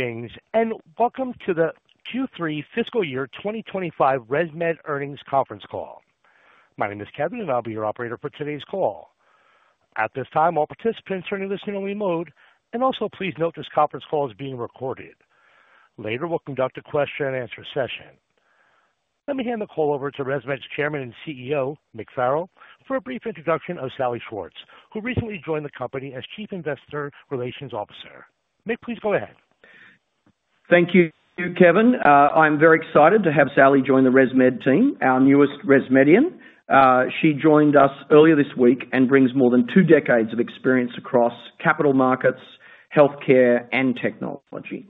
Greetings, and welcome to the Q3 Fiscal Year 2025 ResMed Earnings Conference Call. My name is Kevin, and I'll be your operator for today's call. At this time, all participants are in a listen-only mode, and also please note this Conference Call is being recorded. Later, we'll conduct a question-and-answer session. Let me hand the call over to ResMed's Chairman and CEO, Mick Farrell, for a brief introduction of Salli Schwartz, who recently joined the company as Chief Investor Relations Officer. Mick, please go ahead. Thank you, Kevin. I'm very excited to have Salli join the ResMed team, our newest ResMedian. She joined us earlier this week and brings more than two decades of experience across capital markets, healthcare, and technology.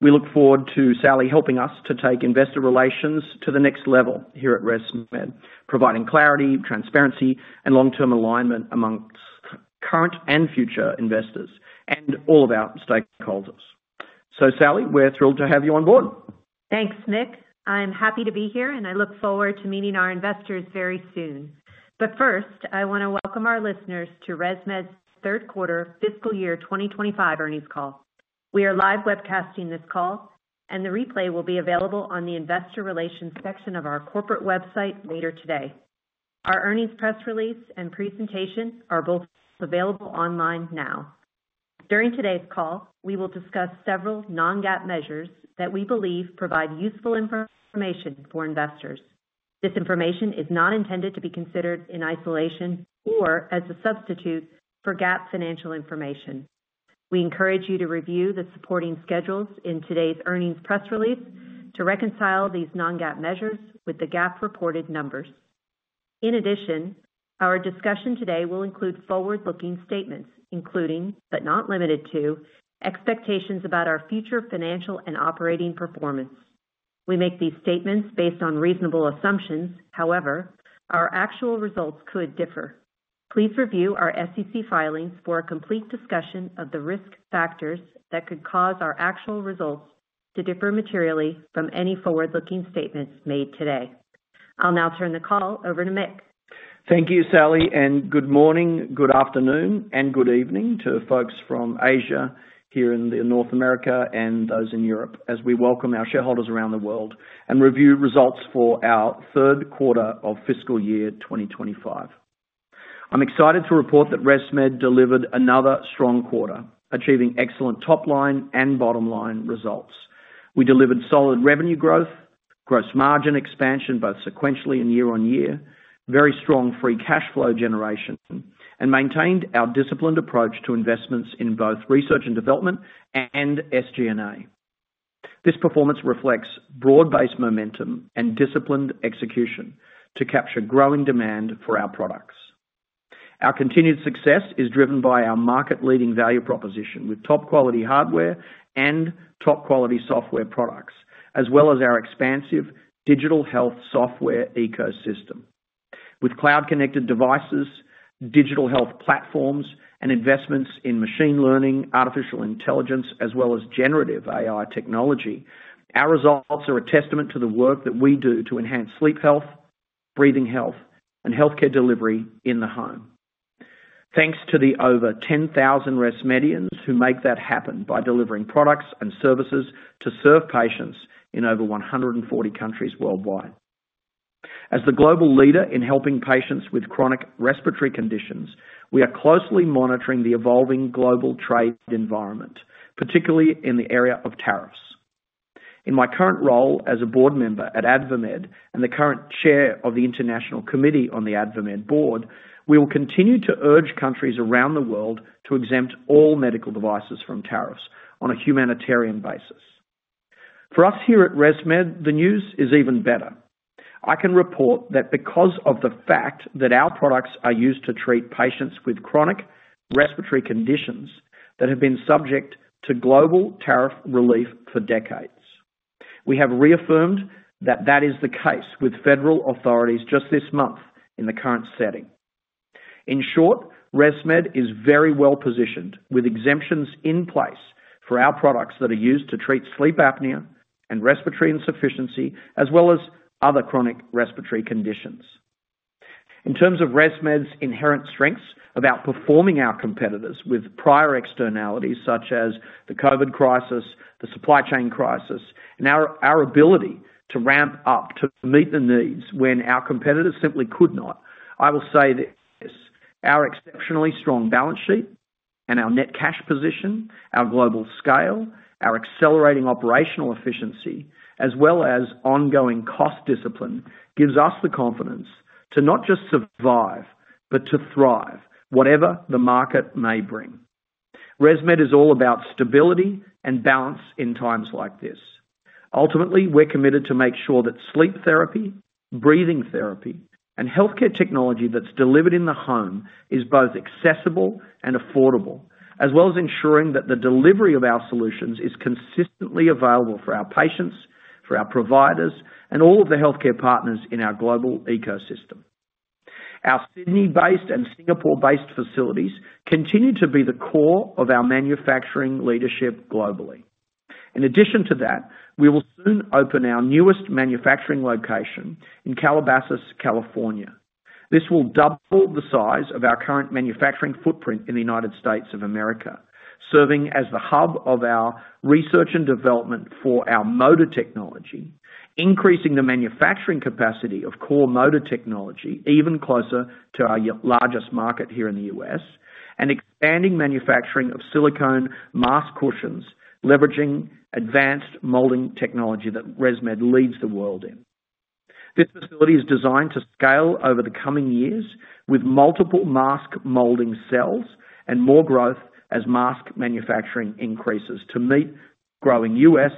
We look forward to Salli helping us to take investor relations to the next level here at ResMed, providing clarity, transparency, and long-term alignment amongst current and future investors and all of our stakeholders. Salli, we're thrilled to have you on board. Thanks, Mick. I'm happy to be here, and I look forward to meeting our investors very soon. First, I want to welcome our listeners to ResMed's Q3 fiscal year 2025 earnings call. We are live webcasting this call, and the replay will be available on the Investor Relations section of our corporate website later today. Our earnings press release and presentation are both available online now. During today's call, we will discuss several non-GAAP measures that we believe provide useful information for investors. This information is not intended to be considered in isolation or as a substitute for GAAP financial information. We encourage you to review the supporting schedules in today's earnings press release to reconcile these non-GAAP measures with the GAAP-reported numbers. In addition, our discussion today will include forward-looking statements, including, but not limited to, expectations about our future financial and operating performance. We make these statements based on reasonable assumptions. However, our actual results could differ. Please review our SEC filings for a complete discussion of the risk factors that could cause our actual results to differ materially from any forward-looking statements made today. I'll now turn the call over to Mick. Thank you, Salli, and good morning, good afternoon, and good evening to folks from Asia here in North America and those in Europe as we welcome our shareholders around the world and review results for our Q3 of fiscal year 2025. I'm excited to report that ResMed delivered another strong quarter, achieving excellent top-line and bottom-line results. We delivered solid revenue growth, gross margin expansion both sequentially and year-on-year, very strong free cash flow generation, and maintained our disciplined approach to investments in both research and development and SG&A. This performance reflects broad-based momentum and disciplined execution to capture growing demand for our products. Our continued success is driven by our market-leading value proposition with top-quality hardware and top-quality software products, as well as our expansive digital health software ecosystem. With cloud-connected devices, digital health platforms, and investments in machine learning, artificial intelligence, as well as generative AI technology, our results are a testament to the work that we do to enhance sleep health, breathing health, and healthcare delivery in the home. Thanks to the over 10,000 ResMedians who make that happen by delivering products and services to serve patients in over 140 countries worldwide. As the global leader in helping patients with chronic respiratory conditions, we are closely monitoring the evolving global trade environment, particularly in the area of tariffs. In my current role as a board member at AdvaMed and the current chair of the International Committee on the AdvaMed Board, we will continue to urge countries around the world to exempt all medical devices from tariffs on a humanitarian basis. For us here at ResMed, the news is even better. I can report that because of the fact that our products are used to treat patients with chronic respiratory conditions that have been subject to global tariff relief for decades, we have reaffirmed that that is the case with federal authorities just this month in the current setting. In short, ResMed is very well positioned with exemptions in place for our products that are used to treat sleep apnea and respiratory insufficiency, as well as other chronic respiratory conditions. In terms of ResMed's inherent strengths of outperforming our competitors with prior externalities such as the COVID crisis, the supply chain crisis, and our ability to ramp up to meet the needs when our competitors simply could not, I will say this: our exceptionally strong balance sheet and our net cash position, our global scale, our accelerating operational efficiency, as well as ongoing cost discipline, gives us the confidence to not just survive but to thrive, whatever the market may bring. ResMed is all about stability and balance in times like this. Ultimately, we're committed to make sure that sleep therapy, breathing therapy, and healthcare technology that's delivered in the home is both accessible and affordable, as well as ensuring that the delivery of our solutions is consistently available for our patients, for our providers, and all of the healthcare partners in our global ecosystem. Our Sydney-based and Singapore-based facilities continue to be the core of our manufacturing leadership globally. In addition to that, we will soon open our newest manufacturing location in Calabasas, California. This will double the size of our current manufacturing footprint in the United States, serving as the hub of our research and development for our motor technology, increasing the manufacturing capacity of core motor technology even closer to our largest market here in the U.S., and expanding manufacturing of silicone mask cushions, leveraging advanced molding technology that ResMed leads the world in. This facility is designed to scale over the coming years with multiple mask molding cells and more growth as mask manufacturing increases to meet growing U.S.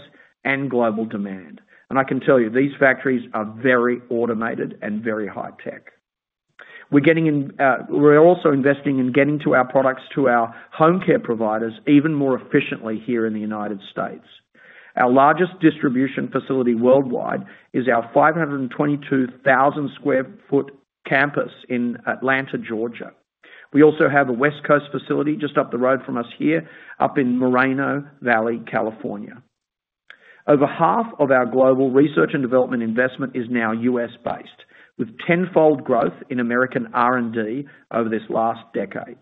and global demand. I can tell you, these factories are very automated and very high-tech. We're also investing in getting our products to our home care providers even more efficiently here in the United States. Our largest distribution facility worldwide is our 522,000 sq ft campus in Atlanta, Georgia. We also have a West Coast facility just up the road from us here, up in Moreno Valley, California. Over half of our global research and development investment is now US-based, with tenfold growth in American R&D over this last decade.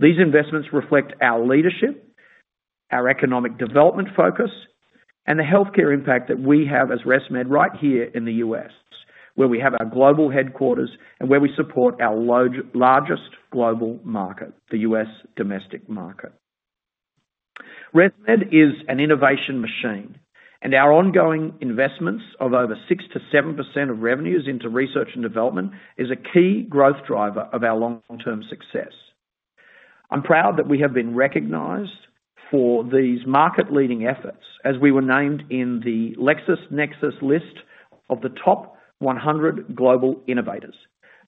These investments reflect our leadership, our economic development focus, and the healthcare impact that we have as ResMed right here in the US, where we have our global headquarters and where we support our largest global market, the US domestic market. ResMed is an innovation machine, and our ongoing investments of over 6%-7% of revenues into research and development are a key growth driver of our long-term success. I'm proud that we have been recognized for these market-leading efforts as we were named in the LexisNexis list of the top 100 global innovators.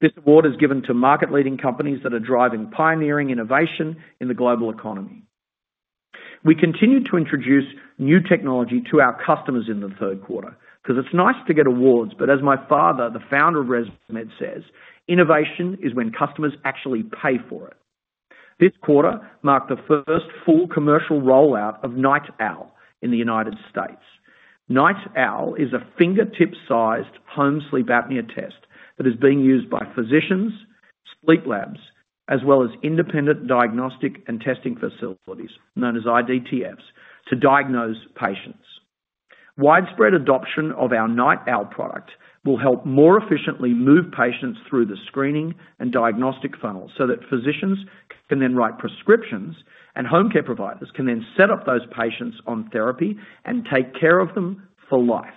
This award is given to market-leading companies that are driving pioneering innovation in the global economy. We continue to introduce new technology to our customers in the Q3 because it's nice to get awards, but as my father, the founder of ResMed, says, "Innovation is when customers actually pay for it." This quarter marked the first full commercial rollout of NightOwl in the United States. NightOwl is a fingertip-sized home sleep apnea test that is being used by physicians, sleep labs, as well as independent diagnostic and testing facilities, known as IDTFs, to diagnose patients. Widespread adoption of our NightOwl product will help more efficiently move patients through the screening and diagnostic funnel so that physicians can then write prescriptions, and home care providers can then set up those patients on therapy and take care of them for life.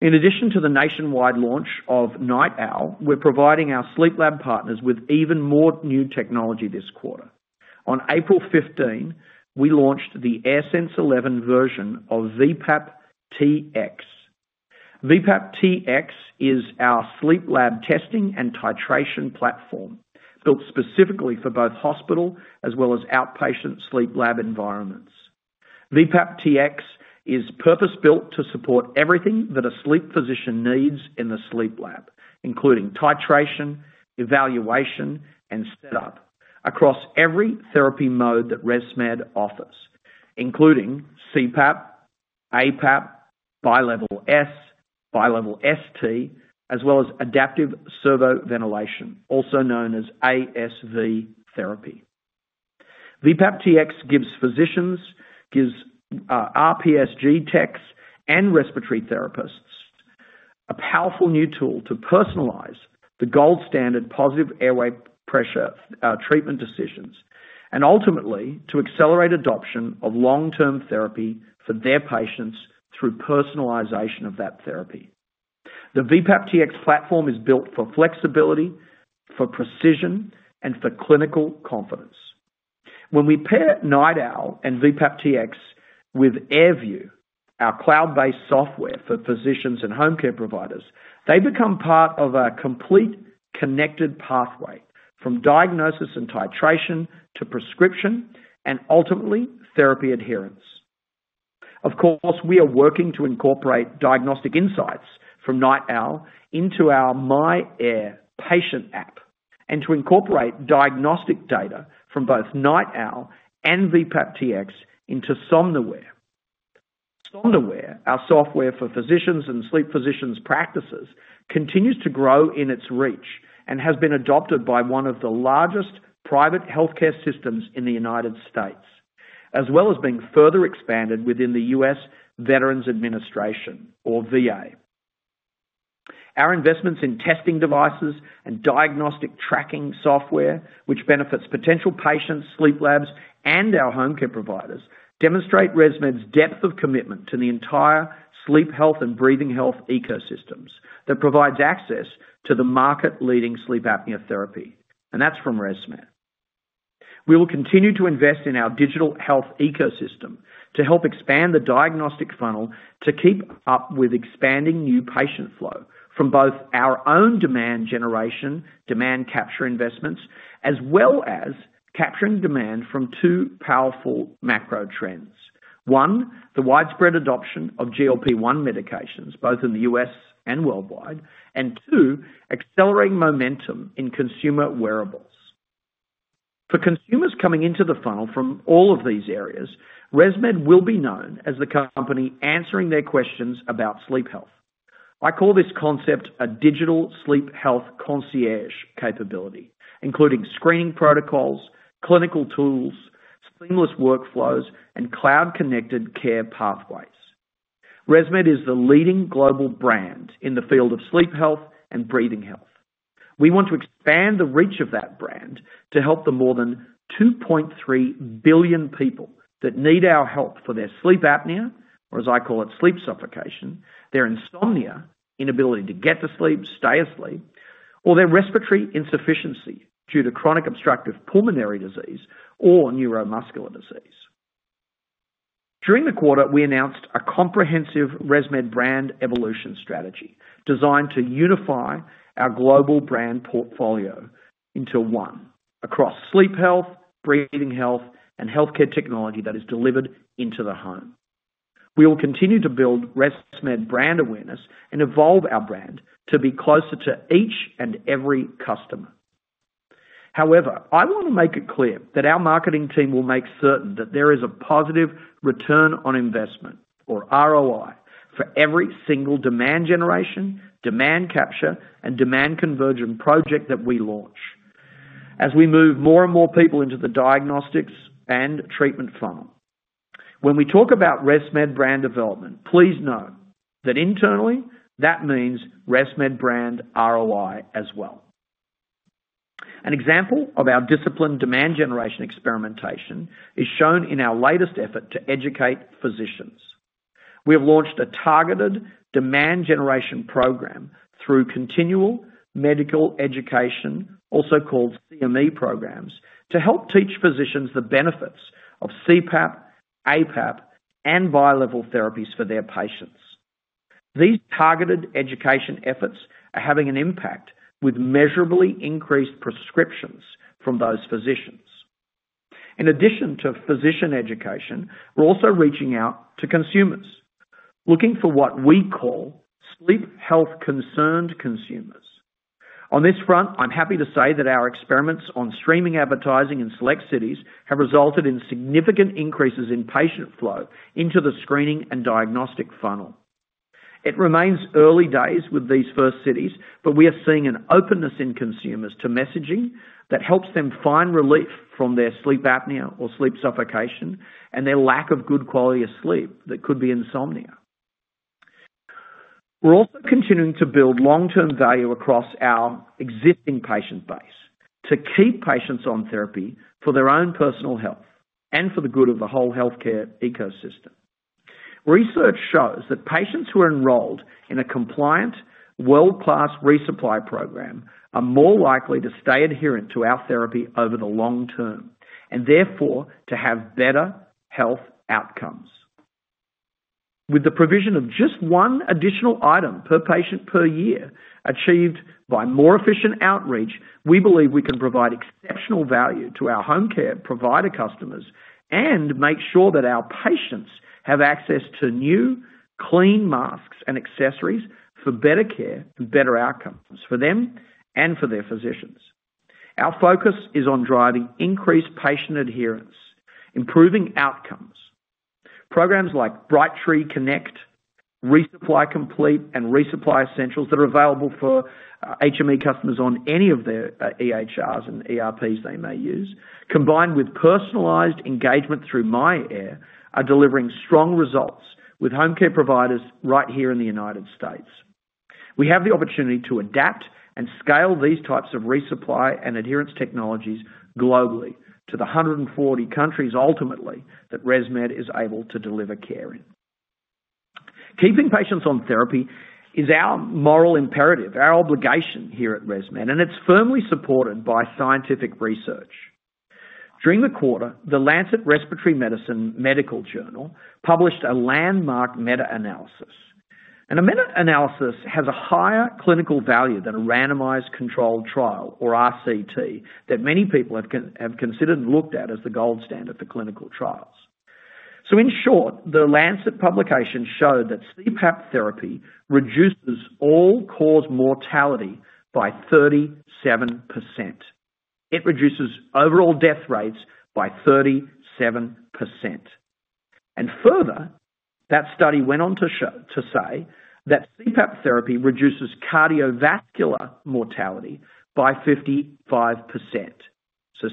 In addition to the nationwide launch of NightOwl, we're providing our sleep lab partners with even more new technology this quarter. On April 15, we launched the AirSense 11 version of VPAP Tx. VPAP Tx is our sleep lab testing and titration platform built specifically for both hospital as well as outpatient sleep lab environments. VPAP Tx is purpose-built to support everything that a sleep physician needs in the sleep lab, including titration, evaluation, and setup across every therapy mode that ResMed offers, including CPAP, APAP, bilevel S, bilevel ST, as well as adaptive servo-ventilation, also known as ASV therapy. VPAP Tx gives physicians, gives RPSGT techs, and respiratory therapists a powerful new tool to personalize the gold standard positive airway pressure treatment decisions and ultimately to accelerate adoption of long-term therapy for their patients through personalization of that therapy. The VPAP Tx platform is built for flexibility, for precision, and for clinical confidence. When we pair NightOwl and VPAP Tx with AirView, our cloud-based software for physicians and home care providers, they become part of a complete connected pathway from diagnosis and titration to prescription and ultimately therapy adherence. Of course, we are working to incorporate diagnostic insights from NightOwl into our myAir patient app and to incorporate diagnostic data from both NightOwl and VPAP Tx into Somnoware. Somnoware, our software for physicians and sleep physicians' practices, continues to grow in its reach and has been adopted by one of the largest private healthcare systems in the United States, as well as being further expanded within the US Veterans Administration, or VA. Our investments in testing devices and diagnostic tracking software, which benefits potential patients, sleep labs, and our home care providers, demonstrate ResMed's depth of commitment to the entire sleep health and breathing health ecosystems that provides access to the market-leading sleep apnea therapy, and that's from ResMed. We will continue to invest in our digital health ecosystem to help expand the diagnostic funnel to keep up with expanding new patient flow from both our own demand generation, demand capture investments, as well as capturing demand from two powerful macro trends: one, the widespread adoption of GLP-1 medications, both in the US and worldwide, and two, accelerating momentum in consumer wearables. For consumers coming into the funnel from all of these areas, ResMed will be known as the company answering their questions about sleep health. I call this concept a digital sleep health concierge capability, including screening protocols, clinical tools, seamless workflows, and cloud-connected care pathways. ResMed is the leading global brand in the field of sleep health and breathing health. We want to expand the reach of that brand to help the more than 2.3 billion people that need our help for their sleep apnea, or as I call it, sleep suffocation, their insomnia, inability to get to sleep, stay asleep, or their respiratory insufficiency due to chronic obstructive pulmonary disease or neuromuscular disease. During the quarter, we announced a comprehensive ResMed brand evolution strategy designed to unify our global brand portfolio into one across sleep health, breathing health, and healthcare technology that is delivered into the home. We will continue to build ResMed brand awareness and evolve our brand to be closer to each and every customer. However, I want to make it clear that our marketing team will make certain that there is a positive return on investment, or ROI, for every single demand generation, demand capture, and demand conversion project that we launch as we move more and more people into the diagnostics and treatment funnel. When we talk about ResMed brand development, please know that internally that means ResMed brand ROI as well. An example of our disciplined demand generation experimentation is shown in our latest effort to educate physicians. We have launched a targeted demand generation program through continual medical education, also called CME programs, to help teach physicians the benefits of CPAP, APAP, and bilevel therapies for their patients. These targeted education efforts are having an impact with measurably increased prescriptions from those physicians. In addition to physician education, we're also reaching out to consumers, looking for what we call sleep health concerned consumers. On this front, I'm happy to say that our experiments on streaming advertising in select cities have resulted in significant increases in patient flow into the screening and diagnostic funnel. It remains early days with these first cities, but we are seeing an openness in consumers to messaging that helps them find relief from their sleep apnea or sleep suffocation and their lack of good quality of sleep that could be insomnia. We're also continuing to build long-term value across our existing patient base to keep patients on therapy for their own personal health and for the good of the whole healthcare ecosystem. Research shows that patients who are enrolled in a compliant world-class resupply program are more likely to stay adherent to our therapy over the long term and therefore to have better health outcomes. With the provision of just one additional item per patient per year achieved by more efficient outreach, we believe we can provide exceptional value to our home care provider customers and make sure that our patients have access to new, clean masks and accessories for better care and better outcomes for them and for their physicians. Our focus is on driving increased patient adherence, improving outcomes. Programs like Brightree Connect, Resupply Complete, and Resupply Essentials that are available for HME customers on any of their EHRs and ERPs they may use, combined with personalized engagement through myAir, are delivering strong results with home care providers right here in the United States. We have the opportunity to adapt and scale these types of resupply and adherence technologies globally to the 140 countries ultimately that ResMed is able to deliver care in. Keeping patients on therapy is our moral imperative, our obligation here at ResMed, and it's firmly supported by scientific research. During the quarter, the Lancet Respiratory Medicine Medical Journal published a landmark meta-analysis. A meta-analysis has a higher clinical value than a randomized controlled trial, or RCT, that many people have considered and looked at as the gold standard for clinical trials. In short, the Lancet publication showed that CPAP therapy reduces all-cause mortality by 37%. It reduces overall death rates by 37%. Further, that study went on to say that CPAP therapy reduces cardiovascular mortality by 55%.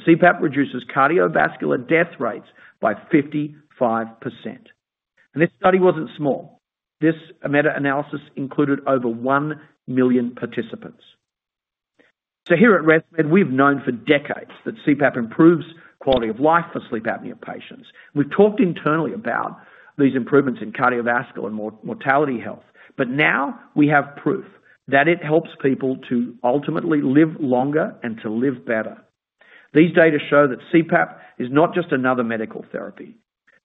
CPAP reduces cardiovascular death rates by 55%. This study was not small. This meta-analysis included over 1 million participants. Here at ResMed, we've known for decades that CPAP improves quality of life for sleep apnea patients. We've talked internally about these improvements in cardiovascular and mortality health, but now we have proof that it helps people to ultimately live longer and to live better. These data show that CPAP is not just another medical therapy.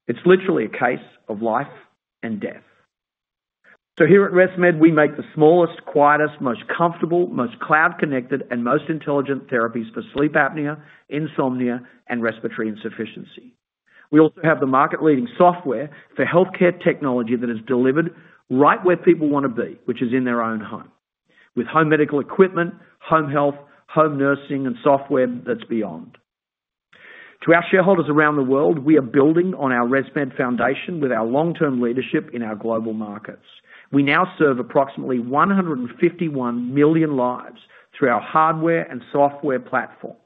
It's literally a case of life and death. Here at ResMed, we make the smallest, quietest, most comfortable, most cloud-connected, and most intelligent therapies for sleep apnea, insomnia, and respiratory insufficiency. We also have the market-leading software for healthcare technology that is delivered right where people want to be, which is in their own home, with home medical equipment, home health, home nursing, and software that's beyond. To our shareholders around the world, we are building on our ResMed foundation with our long-term leadership in our global markets. We now serve approximately 151 million lives through our hardware and software platforms.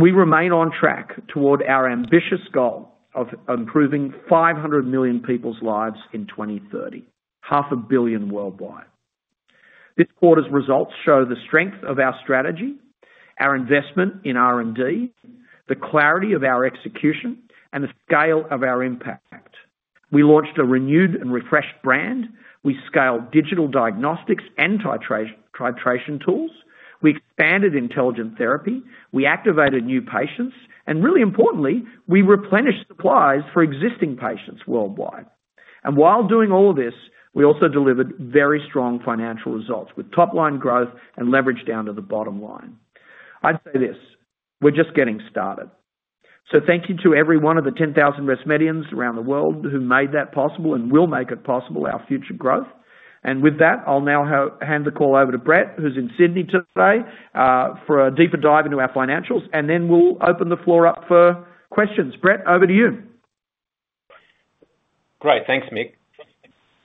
We remain on track toward our ambitious goal of improving 500 million people's lives in 2030, half a billion worldwide. This quarter's results show the strength of our strategy, our investment in R&D, the clarity of our execution, and the scale of our impact. We launched a renewed and refreshed brand. We scaled digital diagnostics and titration tools. We expanded intelligent therapy. We activated new patients. Really importantly, we replenished supplies for existing patients worldwide. While doing all of this, we also delivered very strong financial results with top-line growth and leverage down to the bottom line. I would say this: we're just getting started. Thank you to every one of the 10,000 ResMedians around the world who made that possible and will make it possible, our future growth. With that, I'll now hand the call over to Brett, who's in Sydney today for a deeper dive into our financials, and then we'll open the floor up for questions. Brett, over to you. Great. Thanks, Mick.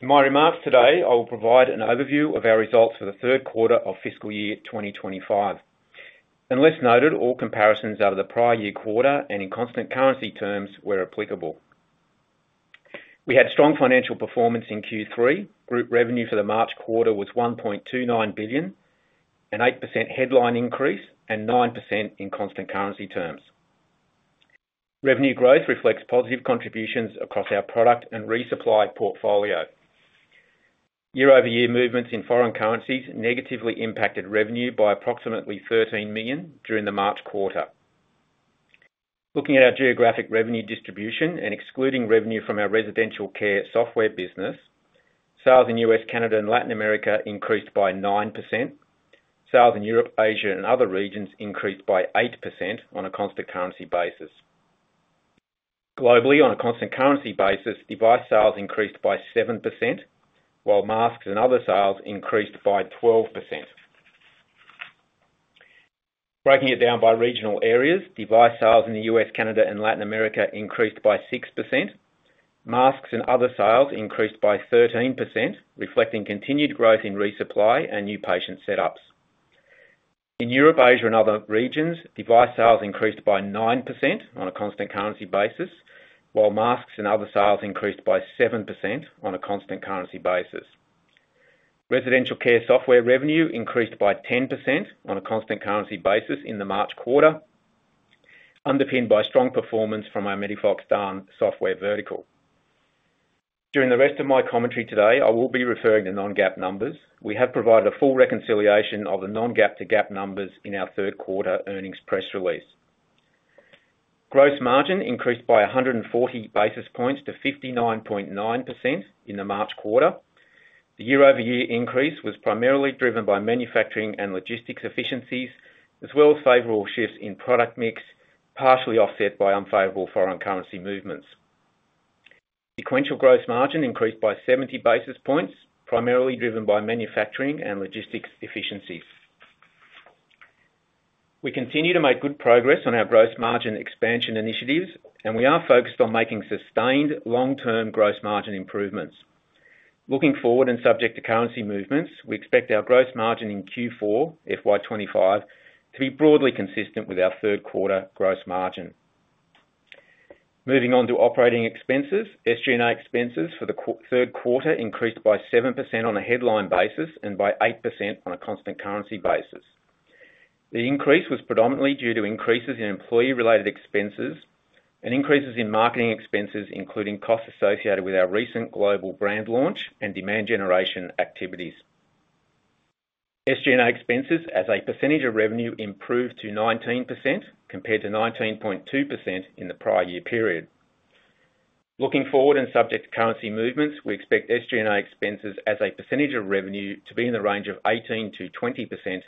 In my remarks today, I will provide an overview of our results for the Q3 of fiscal year 2025. Unless noted, all comparisons are to the prior year quarter and in constant currency terms where applicable. We had strong financial performance in Q3. Group revenue for the March quarter was $1.29 billion, an 8% headline increase, and 9% in constant currency terms. Revenue growth reflects positive contributions across our product and resupply portfolio. Year-over-year movements in foreign currencies negatively impacted revenue by approximately $13 million during the March quarter. Looking at our geographic revenue distribution and excluding revenue from our residential care software business, sales in the US, Canada, and Latin America increased by 9%. Sales in Europe, Asia, and other regions increased by 8% on a constant currency basis. Globally, on a constant currency basis, device sales increased by 7%, while masks and other sales increased by 12%. Breaking it down by regional areas, device sales in the US, Canada, and Latin America increased by 6%. Masks and other sales increased by 13%, reflecting continued growth in resupply and new patient setups. In Europe, Asia, and other regions, device sales increased by 9% on a constant currency basis, while masks and other sales increased by 7% on a constant currency basis. Residential care software revenue increased by 10% on a constant currency basis in the March quarter, underpinned by strong performance from our MEDIFOX DAN software vertical. During the rest of my commentary today, I will be referring to non-GAAP numbers. We have provided a full reconciliation of the non-GAAP to GAAP numbers in our Q3 Earnings Press Release. Gross margin increased by 140 basis points to 59.9% in the March quarter. The year-over-year increase was primarily driven by manufacturing and logistics efficiencies, as well as favorable shifts in product mix, partially offset by unfavorable foreign currency movements. Sequential gross margin increased by 70 basis points, primarily driven by manufacturing and logistics efficiencies. We continue to make good progress on our gross margin expansion initiatives, and we are focused on making sustained long-term gross margin improvements. Looking forward and subject to currency movements, we expect our gross margin in Q4, FY2025, to be broadly consistent with our Q3 gross margin. Moving on to operating expenses, SG&A expenses for the Q3 increased by 7% on a headline basis and by 8% on a constant currency basis. The increase was predominantly due to increases in employee-related expenses and increases in marketing expenses, including costs associated with our recent global brand launch and demand generation activities. SG&A expenses as a percentage of revenue improved to 19% compared to 19.2% in the prior year period. Looking forward and subject to currency movements, we expect SG&A expenses as a percentage of revenue to be in the range of 18%-20% for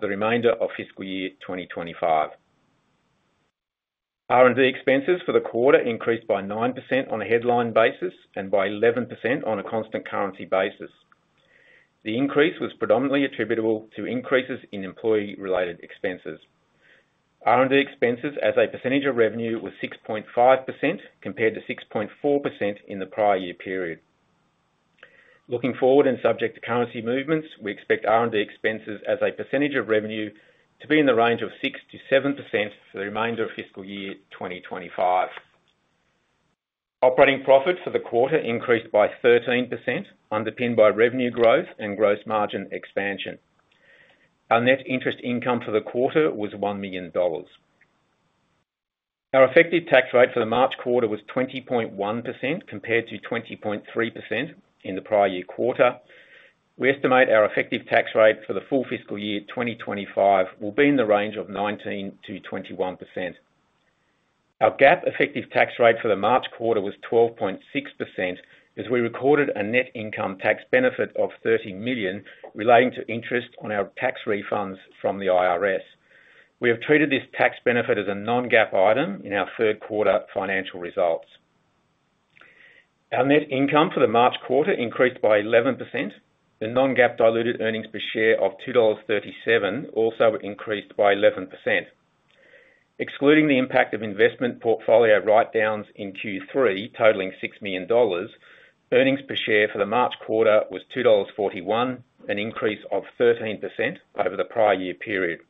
the remainder of fiscal year 2025. R&D expenses for the quarter increased by 9% on a headline basis and by 11% on a constant currency basis. The increase was predominantly attributable to increases in employee-related expenses. R&D expenses as a percentage of revenue was 6.5% compared to 6.4% in the prior year period. Looking forward and subject to currency movements, we expect R&D expenses as a percentage of revenue to be in the range of 6%-7% for the remainder of fiscal year 2025. Operating profit for the quarter increased by 13%, underpinned by revenue growth and gross margin expansion. Our net interest income for the quarter was $1 million. Our effective tax rate for the March quarter was 20.1% compared to 20.3% in the prior year quarter. We estimate our effective tax rate for the full fiscal year 2025 will be in the range of 19%-21%. Our GAAP effective tax rate for the March quarter was 12.6% as we recorded a net income tax benefit of $30 million relating to interest on our tax refunds from the IRS. We have treated this tax benefit as a non-GAAP item in our Q3 financial results. Our net income for the March quarter increased by 11%. The non-GAAP diluted earnings per share of $2.37 also increased by 11%. Excluding the impact of investment portfolio write-downs in Q3 totaling $6 million, earnings per share for the March quarter was $2.41, an increase of 13% over the prior year period.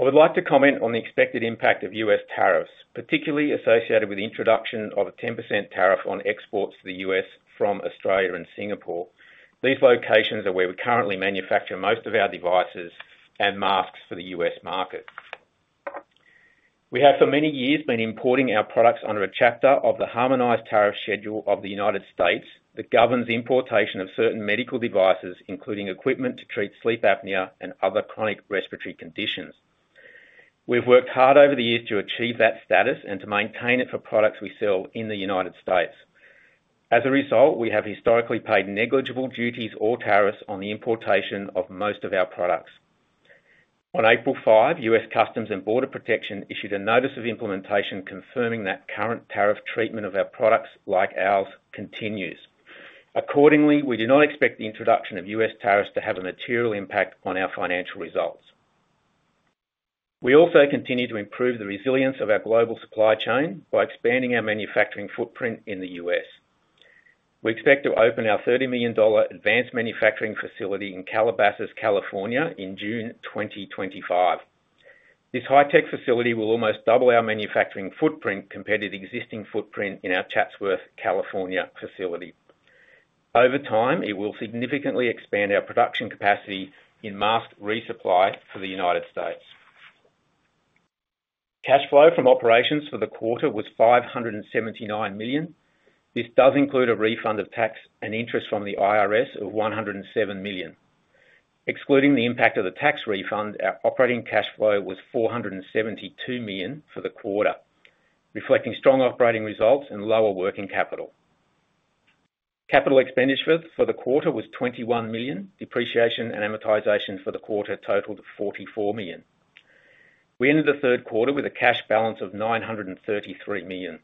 I would like to comment on the expected impact of U.S. tariffs, particularly associated with the introduction of a 10% tariff on exports to the U.S. from Australia and Singapore. These locations are where we currently manufacture most of our devices and masks for the U.S. market. We have for many years been importing our products under a chapter of the Harmonized Tariff Schedule of the United States that governs importation of certain medical devices, including equipment to treat sleep apnea and other chronic respiratory conditions. We've worked hard over the years to achieve that status and to maintain it for products we sell in the United States. As a result, we have historically paid negligible duties or tariffs on the importation of most of our products. On April 5, U.S. Customs and Border Protection issued a notice of implementation confirming that current tariff treatment of products like ours continues. Accordingly, we do not expect the introduction of U.S. tariffs to have a material impact on our financial results. We also continue to improve the resilience of our global supply chain by expanding our manufacturing footprint in the United States. We expect to open our $30 million advanced manufacturing facility in Calabasas, California, in June 2025. This high-tech facility will almost double our manufacturing footprint compared to the existing footprint in our Chatsworth, California facility. Over time, it will significantly expand our production capacity in mask resupply for the United States. Cash flow from operations for the quarter was $579 million. This does include a refund of tax and interest from the IRS of $107 million. Excluding the impact of the tax refund, our operating cash flow was $472 million for the quarter, reflecting strong operating results and lower working capital. Capital expenditure for the quarter was $21 million. Depreciation and amortization for the quarter totaled $44 million. We ended the Q3 with a cash balance of $933 million.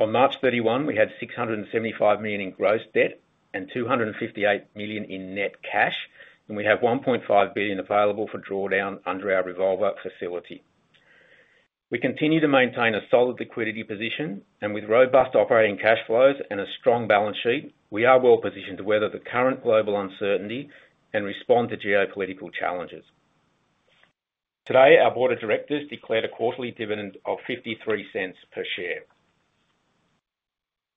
On March 31, we had $675 million in gross debt and $258 million in net cash, and we have $1.5 billion available for drawdown under our Revolver facility. We continue to maintain a solid liquidity position, and with robust operating cash flows and a strong balance sheet, we are well positioned to weather the current global uncertainty and respond to geopolitical challenges. Today, our board of directors declared a quarterly dividend of $0.53 per share.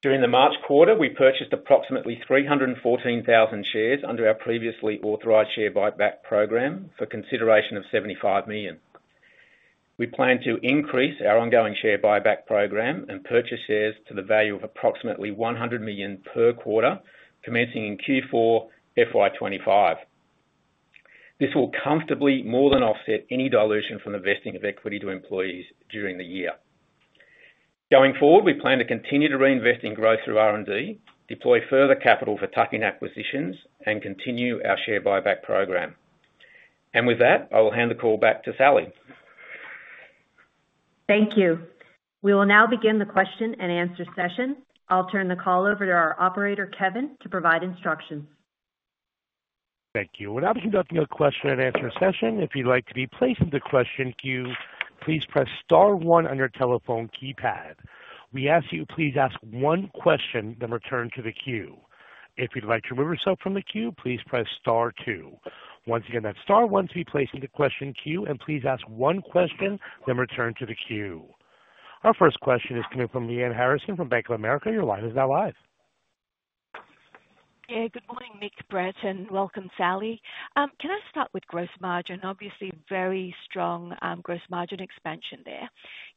During the March quarter, we purchased approximately 314,000 shares under our previously authorized share buyback program for consideration of $75 million. We plan to increase our ongoing share buyback program and purchase shares to the value of approximately $100 million per quarter, commencing in Q4, FY2025. This will comfortably more than offset any dilution from the vesting of equity to employees during the year. Going forward, we plan to continue to reinvest in growth through R&D, deploy further capital for tuck-in acquisitions, and continue our share buyback program. With that, I will hand the call back to Salli. Thank you. We will now begin the question and answer session. I'll turn the call over to our operator, Kevin, to provide instructions. Thank you. We're now beginning the question and answer session. If you'd like to be placed in the question queue, please press Star one on your telephone keypad. We ask you to please ask one question then return to the queue. If you'd like to remove yourself from the queue, please press Star two. Once again, that is Star one to be placed in the question queue, and please ask one question then return to the queue. Our first question is coming from Lyanne Harrison from Bank of America. Your line is now live. Good morning, Mick, Brett, and welcome, Salli. Can I start with gross margin? Obviously, very strong gross margin expansion there.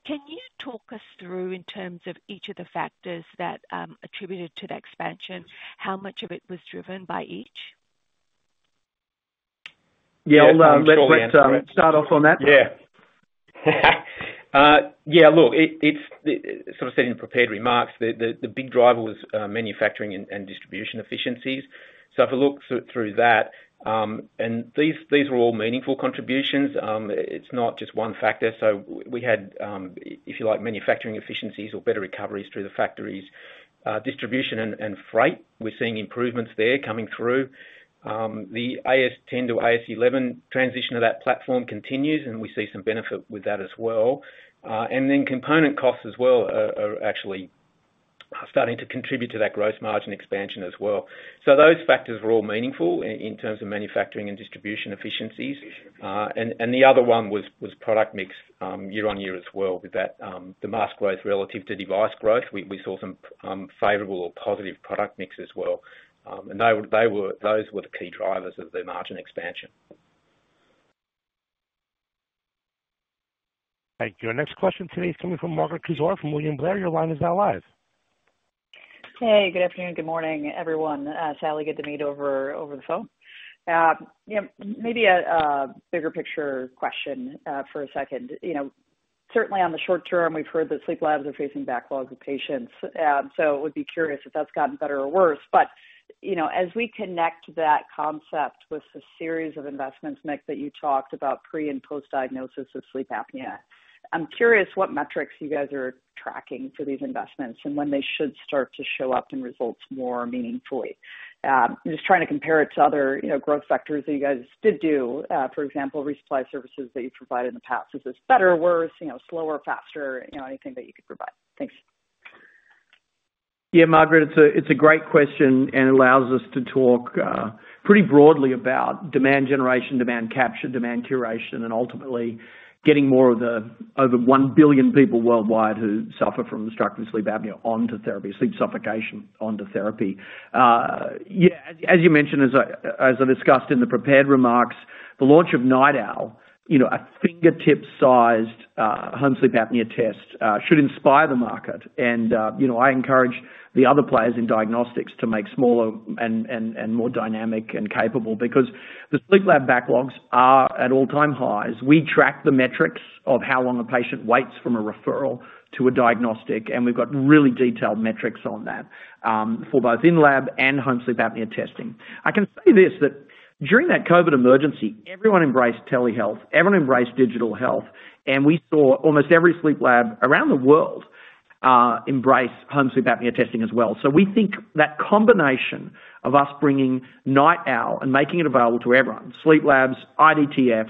Can you talk us through in terms of each of the factors that attributed to the expansion, how much of it was driven by each? Yeah, let's start off on that. Yeah. Yeah, look, as sort of said in prepared remarks, the big driver was manufacturing and distribution efficiencies. If we look through that, these were all meaningful contributions. It's not just one factor. We had, if you like, manufacturing efficiencies or better recoveries through the factories, distribution and freight. We're seeing improvements there coming through. The AS10 to AS11 transition of that platform continues, and we see some benefit with that as well. Component costs as well are actually starting to contribute to that gross margin expansion as well. Those factors were all meaningful in terms of manufacturing and distribution efficiencies. The other one was product mix year-on-year as well, with the mask growth relative to device growth. We saw some favorable or positive product mix as well. Those were the key drivers of the margin expansion. Thank you. Our next question today is coming from Margaret Kaczor from William Blair. Your line is now live. Hey, good afternoon, good morning, everyone. Salli, good to meet over the phone. Maybe a bigger picture question for a second. Certainly, on the short term, we've heard that sleep labs are facing backlogs of patients. I would be curious if that's gotten better or worse. As we connect that concept with the series of investments, Mick, that you talked about pre and post-diagnosis of sleep apnea, I'm curious what metrics you guys are tracking for these investments and when they should start to show up in results more meaningfully. Just trying to compare it to other growth factors that you guys did do, for example, resupply services that you've provided in the past. Is this better, worse, slower, faster, anything that you could provide? Thanks. Yeah, Margaret, it's a great question and allows us to talk pretty broadly about demand generation, demand capture, demand curation, and ultimately getting more of the over one billion people worldwide who suffer from obstructive sleep apnea onto therapy, sleep suffocation onto therapy. Yeah, as you mentioned, as I discussed in the prepared remarks, the launch of NightOwl, a fingertip-sized home sleep apnea test, should inspire the market. I encourage the other players in diagnostics to make smaller and more dynamic and capable because the sleep lab backlogs are at all-time highs. We track the metrics of how long a patient waits from a referral to a diagnostic, and we've got really detailed metrics on that for both in-lab and home sleep apnea testing. I can say this: during that COVID emergency, everyone embraced telehealth, everyone embraced digital health, and we saw almost every sleep lab around the world embrace home sleep apnea testing as well. We think that combination of us bringing NightOwl and making it available to everyone—sleep labs, IDTFs,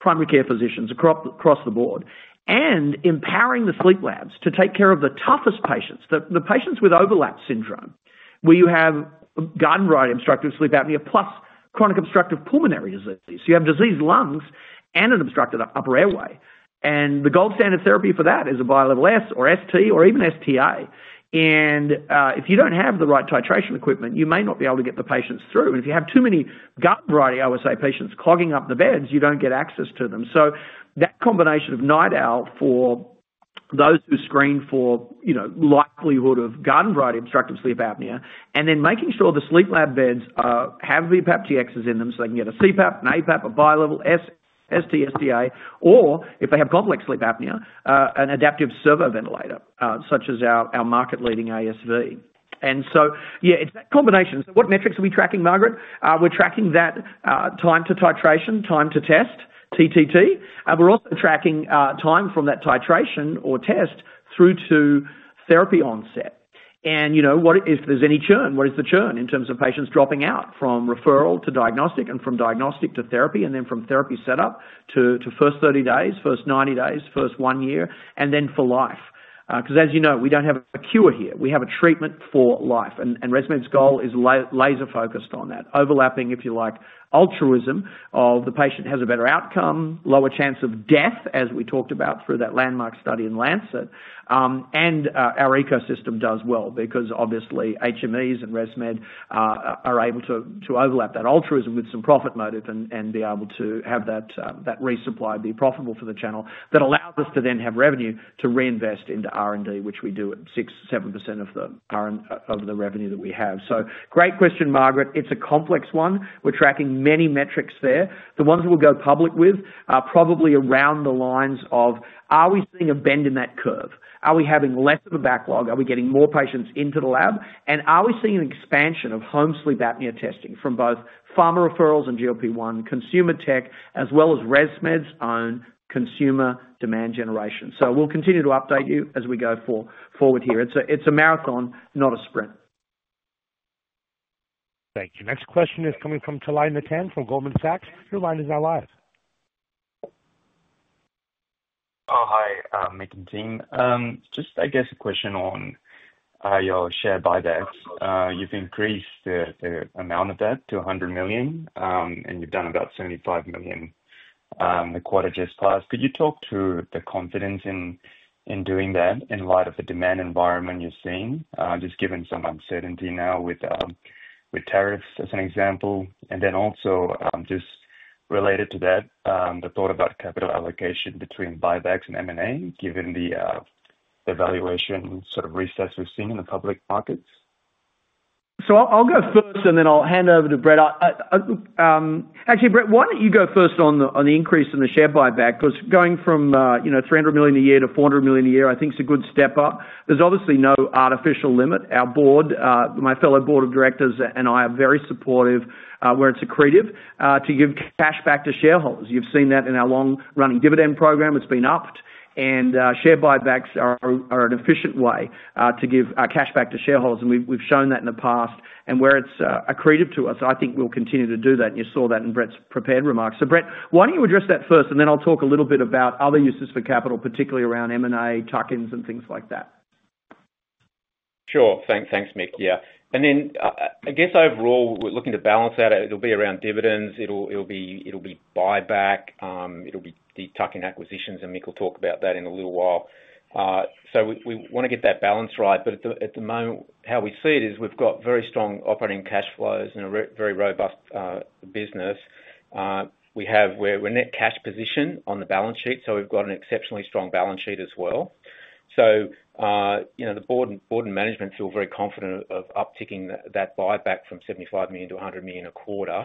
primary care physicians across the board—and empowering the sleep labs to take care of the toughest patients, the patients with overlap syndrome, where you have guarded variety obstructive sleep apnea plus chronic obstructive pulmonary disease. You have diseased lungs and an obstructed upper airway. The gold standard therapy for that is a bilevel S or ST or even STA. If you do not have the right titration equipment, you may not be able to get the patients through. If you have too many garden variety OSA patients clogging up the beds, you do not get access to them. That combination of NightOwl for those who screen for likelihood of garden variety obstructive sleep apnea, and then making sure the sleep lab beds have the VPAP Txs in them so they can get a CPAP, an APAP, a bilevel S, ST, STA, or if they have complex sleep apnea, an adaptive servo ventilator such as our market-leading ASV. It is that combination. What metrics are we tracking, Margaret? We are tracking that time to titration, time to test, TTT. We're also tracking time from that titration or test through to therapy onset. If there's any churn, what is the churn in terms of patients dropping out from referral to diagnostic and from diagnostic to therapy and then from therapy setup to first 30 days, first 90 days, first one year, and then for life? Because, as you know, we don't have a cure here. We have a treatment for life. ResMed's goal is laser-focused on that, overlapping, if you like, altruism of the patient has a better outcome, lower chance of death, as we talked about through that landmark study in Lancet. Our ecosystem does well because, obviously, HMEs and ResMed are able to overlap that altruism with some profit motive and be able to have that resupply be profitable for the channel that allows us to then have revenue to reinvest into R&D, which we do at 6%-7% of the revenue that we have. Great question, Margaret. It's a complex one. We're tracking many metrics there. The ones that we'll go public with are probably around the lines of, are we seeing a bend in that curve? Are we having less of a backlog? Are we getting more patients into the lab? Are we seeing an expansion of home sleep apnea testing from both pharma referrals and GLP-1, consumer tech, as well as ResMed's own consumer demand generation? We'll continue to update you as we go forward here. It's a marathon, not a sprint. Thank you. Next question is coming from Laye Natan from Goldman Sachs. Your line is now live. Oh, hi, Mick and team. Just, I guess, a question on your share buybacks. You've increased the amount of that to $100 million, and you've done about $75 million the quarter just passed. Could you talk to the confidence in doing that in light of the demand environment you're seeing, just given some uncertainty now with tariffs as an example? Also, just related to that, the thought about capital allocation between buybacks and M&A, given the valuation sort of recess we've seen in the public markets? I'll go first, and then I'll hand over to Brett. Actually, Brett, why don't you go first on the increase in the share buyback? Because going from $300 million a year to $400 million a year, I think it's a good step up. There's obviously no artificial limit. Our board, my fellow board of directors and I are very supportive where it's accretive to give cash back to shareholders. You've seen that in our long-running dividend program. It's been upped, and share buybacks are an efficient way to give cash back to shareholders. We've shown that in the past, and where it's accretive to us, I think we'll continue to do that. You saw that in Brett's prepared remarks. Brett, why don't you address that first, and then I'll talk a little bit about other uses for capital, particularly around M&A, tuck-ins, and things like that. Sure. Thanks, Mick. Yeah. I guess overall, we're looking to balance out. It'll be around dividends. It'll be buyback. It'll be the tuck-in acquisitions, and Mick will talk about that in a little while. We want to get that balance right. At the moment, how we see it is we've got very strong operating cash flows and a very robust business. We have a net cash position on the balance sheet, so we've got an exceptionally strong balance sheet as well. The board and management feel very confident of upticking that buyback from $75-100 million a quarter.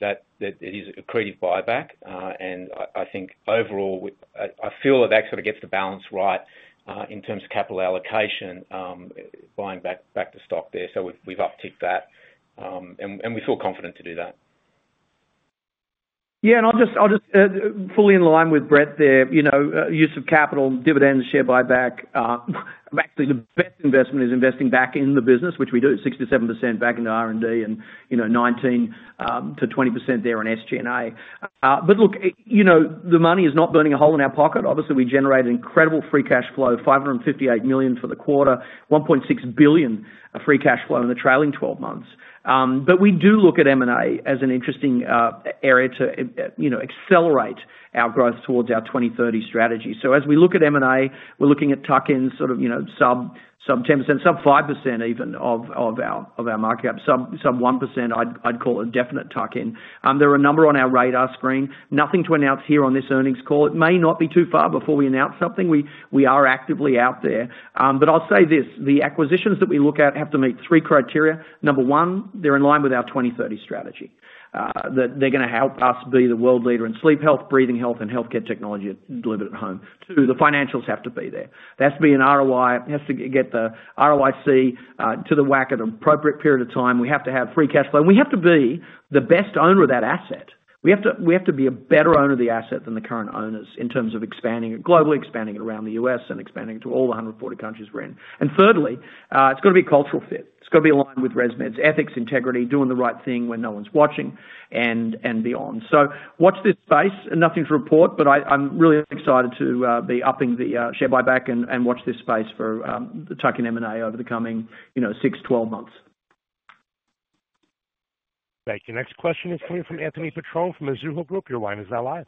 That is accretive buyback. I think overall, I feel that that sort of gets the balance right in terms of capital allocation, buying back the stock there. We've upticked that, and we feel confident to do that. Yeah, and I'll just fully in line with Brett there, use of capital, dividends, share buyback. Actually, the best investment is investing back in the business, which we do, 67% back into R&D and 19%-20% there in SG&A. Look, the money is not burning a hole in our pocket. Obviously, we generated incredible free cash flow, $558 million for the quarter, $1.6 billion of free cash flow in the trailing 12 months. We do look at M&A as an interesting area to accelerate our growth towards our 2030 strategy. As we look at M&A, we're looking at tuck-ins sort of sub 10%, sub 5% even of our market cap, sub 1%, I'd call it a definite tuck-in. There are a number on our radar screen, nothing to announce here on this earnings call. It may not be too far before we announce something. We are actively out there. I'll say this: the acquisitions that we look at have to meet three criteria. Number one, they're in line with our 2030 strategy, that they're going to help us be the world leader in sleep health, breathing health, and healthcare technology delivered at home. Two, the financials have to be there. There has to be an ROI; it has to get the ROIC to the whack at an appropriate period of time. We have to have free cash flow. We have to be the best owner of that asset. We have to be a better owner of the asset than the current owners in terms of globally expanding it around the US and expanding it to all the 140 countries we're in. Thirdly, it's got to be a cultural fit. It's got to be aligned with ResMed's ethics, integrity, doing the right thing when no one's watching, and beyond. Watch this space. Nothing to report, but I'm really excited to be upping the share buyback and watch this space for the tuck-in M&A over the coming 6, 12 months. Thank you. Next question is coming from Anthony Petrone from Mizuho Group. Your line is now live.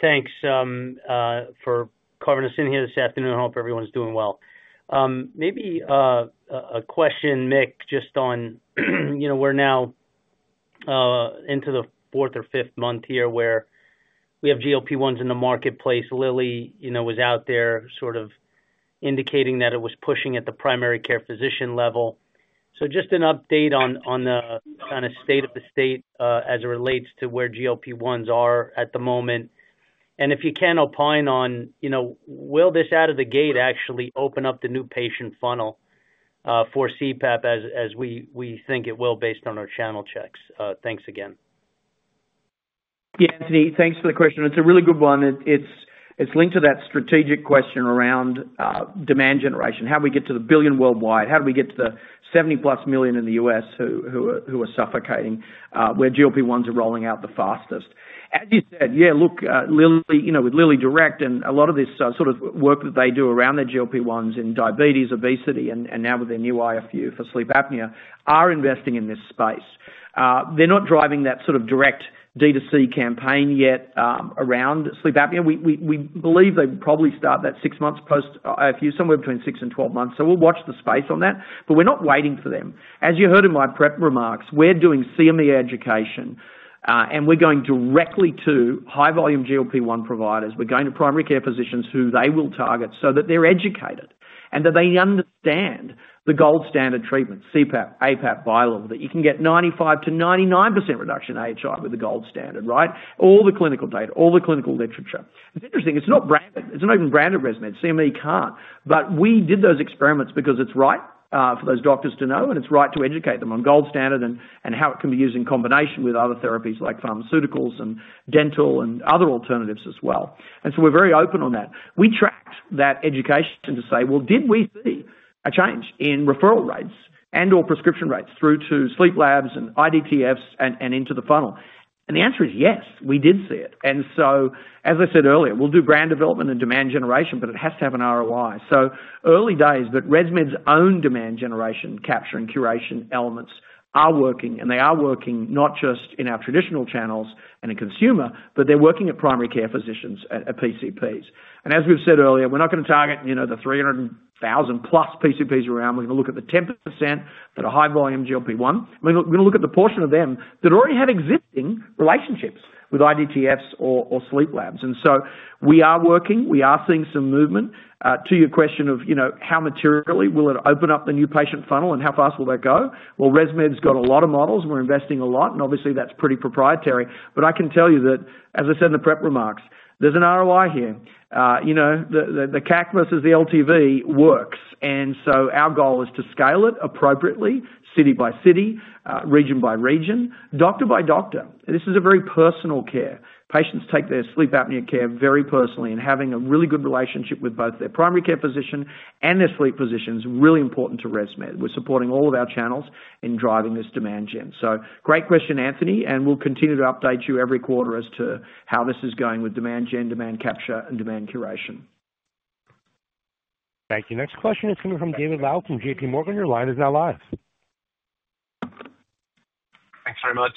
Thanks for calling us in here this afternoon. I hope everyone's doing well. Maybe a question, Mick, just on we're now into the fourth or fifth month here where we have GLP-1s in the marketplace. Lilly was out there sort of indicating that it was pushing at the primary care physician level. Just an update on the kind of state of the state as it relates to where GLP-1s are at the moment. If you can opine on, will this out of the gate actually open up the new patient funnel for CPAP as we think it will based on our channel checks? Thanks again. Yeah, Anthony, thanks for the question. It's a really good one. It's linked to that strategic question around demand generation. How do we get to the billion worldwide? How do we get to the 70-plus million in the US who are suffocating where GLP-1s are rolling out the fastest? As you said, yeah, look, with Lilly Direct and a lot of this sort of work that they do around their GLP-1s in diabetes, obesity, and now with their new IFU for sleep apnea, are investing in this space. They're not driving that sort of direct D to C campaign yet around sleep apnea. We believe they probably start that six months post IFU, somewhere between six and 12 months. We'll watch the space on that. We're not waiting for them. As you heard in my prep remarks, we're doing CME education, and we're going directly to high-volume GLP-1 providers. We're going to primary care physicians who they will target so that they're educated and that they understand the gold standard treatment, CPAP, APAP, bi-level, that you can get 95%-99% reduction in AHI with the gold standard, right? All the clinical data, all the clinical literature. It's interesting. It's not branded. It's an open-branded ResMed. CME can't. We did those experiments because it's right for those doctors to know, and it's right to educate them on gold standard and how it can be used in combination with other therapies like pharmaceuticals and dental and other alternatives as well. We are very open on that. We tracked that education to say, well, did we see a change in referral rates and/or prescription rates through to sleep labs and IDTFs and into the funnel? The answer is yes, we did see it. As I said earlier, we'll do brand development and demand generation, but it has to have an ROI. Early days, but ResMed's own demand generation capture and curation elements are working, and they are working not just in our traditional channels and a consumer, but they're working at primary care physicians at PCPs. As we've said earlier, we're not going to target the 300,000-plus PCPs around. We're going to look at the 10% that are high-volume GLP-1. We're going to look at the portion of them that already have existing relationships with IDTFs or sleep labs. We are working. We are seeing some movement. To your question of how materially will it open up the new patient funnel and how fast will that go? ResMed's got a lot of models, and we're investing a lot, and obviously, that's pretty proprietary. I can tell you that, as I said in the prep remarks, there's an ROI here. The CAC versus the LTV works. Our goal is to scale it appropriately, city by city, region by region, doctor by doctor. This is very personal care. Patients take their sleep apnea care very personally, and having a really good relationship with both their primary care physician and their sleep physician is really important to ResMed. We're supporting all of our channels in driving this demand gen. Great question, Anthony, and we'll continue to update you every quarter as to how this is going with demand gen, demand capture, and demand curation. Thank you. Next question is coming from David Low from JP Morgan. Your line is now live. Thanks very much.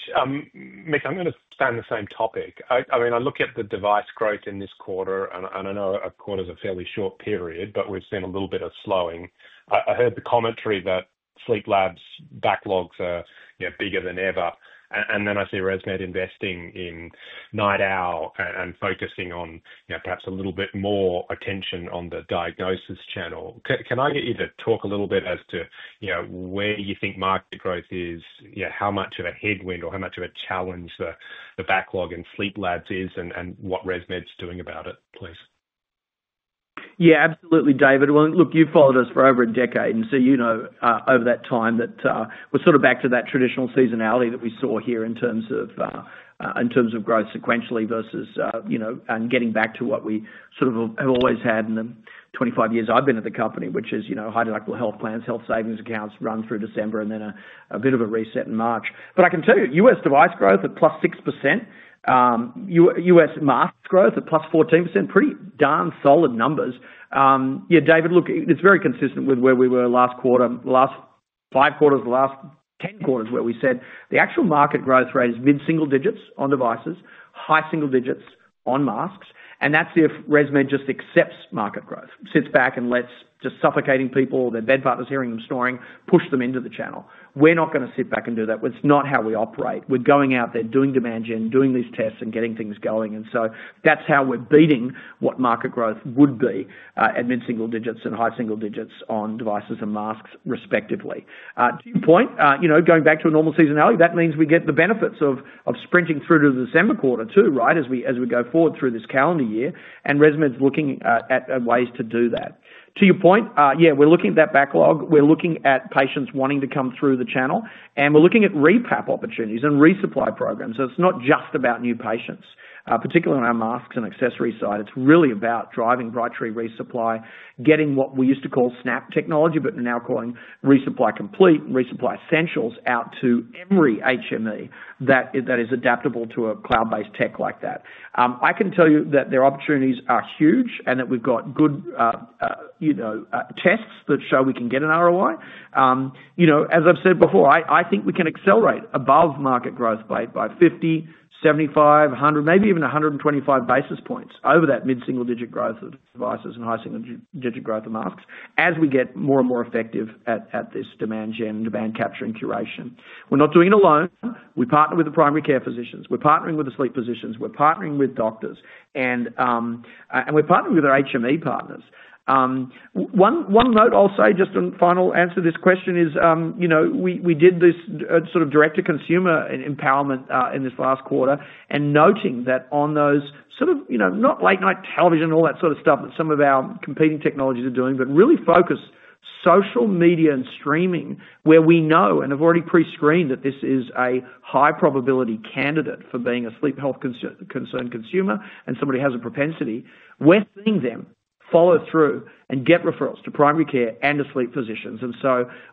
Mick, I'm going to stay on the same topic. I mean, I look at the device growth in this quarter, and I know a quarter is a fairly short period, but we've seen a little bit of slowing. I heard the commentary that sleep labs backlogs are bigger than ever. And then I see ResMed investing in NightOwl and focusing on perhaps a little bit more attention on the diagnosis channel. Can I get you to talk a little bit as to where you think market growth is, how much of a headwind or how much of a challenge the backlog in sleep labs is, and what ResMed's doing about it, please? Yeah, absolutely, David. Look, you've followed us for over a decade, and so you know over that time that we're sort of back to that traditional seasonality that we saw here in terms of growth sequentially versus getting back to what we sort of have always had in the 25 years I've been at the company, which is high-deductible health plans, health savings accounts run through December, and then a bit of a reset in March. I can tell you US device growth at +6%, US mask growth at +14%, pretty darn solid numbers. Yeah, David, look, it's very consistent with where we were last quarter, the last five quarters, the last 10 quarters, where we said the actual market growth rate is mid-single digits on devices, high single digits on masks. That is if ResMed just accepts market growth, sits back, and lets just suffocating people, their bed partners hearing them snoring, push them into the channel. We're not going to sit back and do that. It's not how we operate. We're going out there, doing demand gen, doing these tests, and getting things going. That is how we're beating what market growth would be at mid-single digits and high single digits on devices and masks, respectively. To your point, going back to a normal seasonality, that means we get the benefits of sprinting through to the December quarter too, right, as we go forward through this calendar year. ResMed's looking at ways to do that. To your point, yeah, we're looking at that backlog. We're looking at patients wanting to come through the channel, and we're looking at Re-PAP opportunities and resupply programs. It is not just about new patients, particularly on our masks and accessory side. It is really about driving Brightree resupply, getting what we used to call Snap technology, but now calling Resupply Complete and Resupply Essentials out to every HME that is adaptable to a cloud-based tech like that. I can tell you that their opportunities are huge and that we have good tests that show we can get an ROI. As I have said before, I think we can accelerate above market growth by 50, 75, 100, maybe even 125 basis points over that mid-single digit growth of devices and high single digit growth of masks as we get more and more effective at this demand gen, demand capture and curation. We are not doing it alone. We partner with the primary care physicians. We are partnering with the sleep physicians. We're partnering with doctors, and we're partnering with our HME partners. One note I'll say just in final answer to this question is we did this sort of direct-to-consumer empowerment in this last quarter and noting that on those sort of not late-night television and all that sort of stuff that some of our competing technologies are doing, but really focus social media and streaming where we know and have already pre-screened that this is a high-probability candidate for being a sleep health concern consumer and somebody who has a propensity. We're seeing them follow through and get referrals to primary care and to sleep physicians.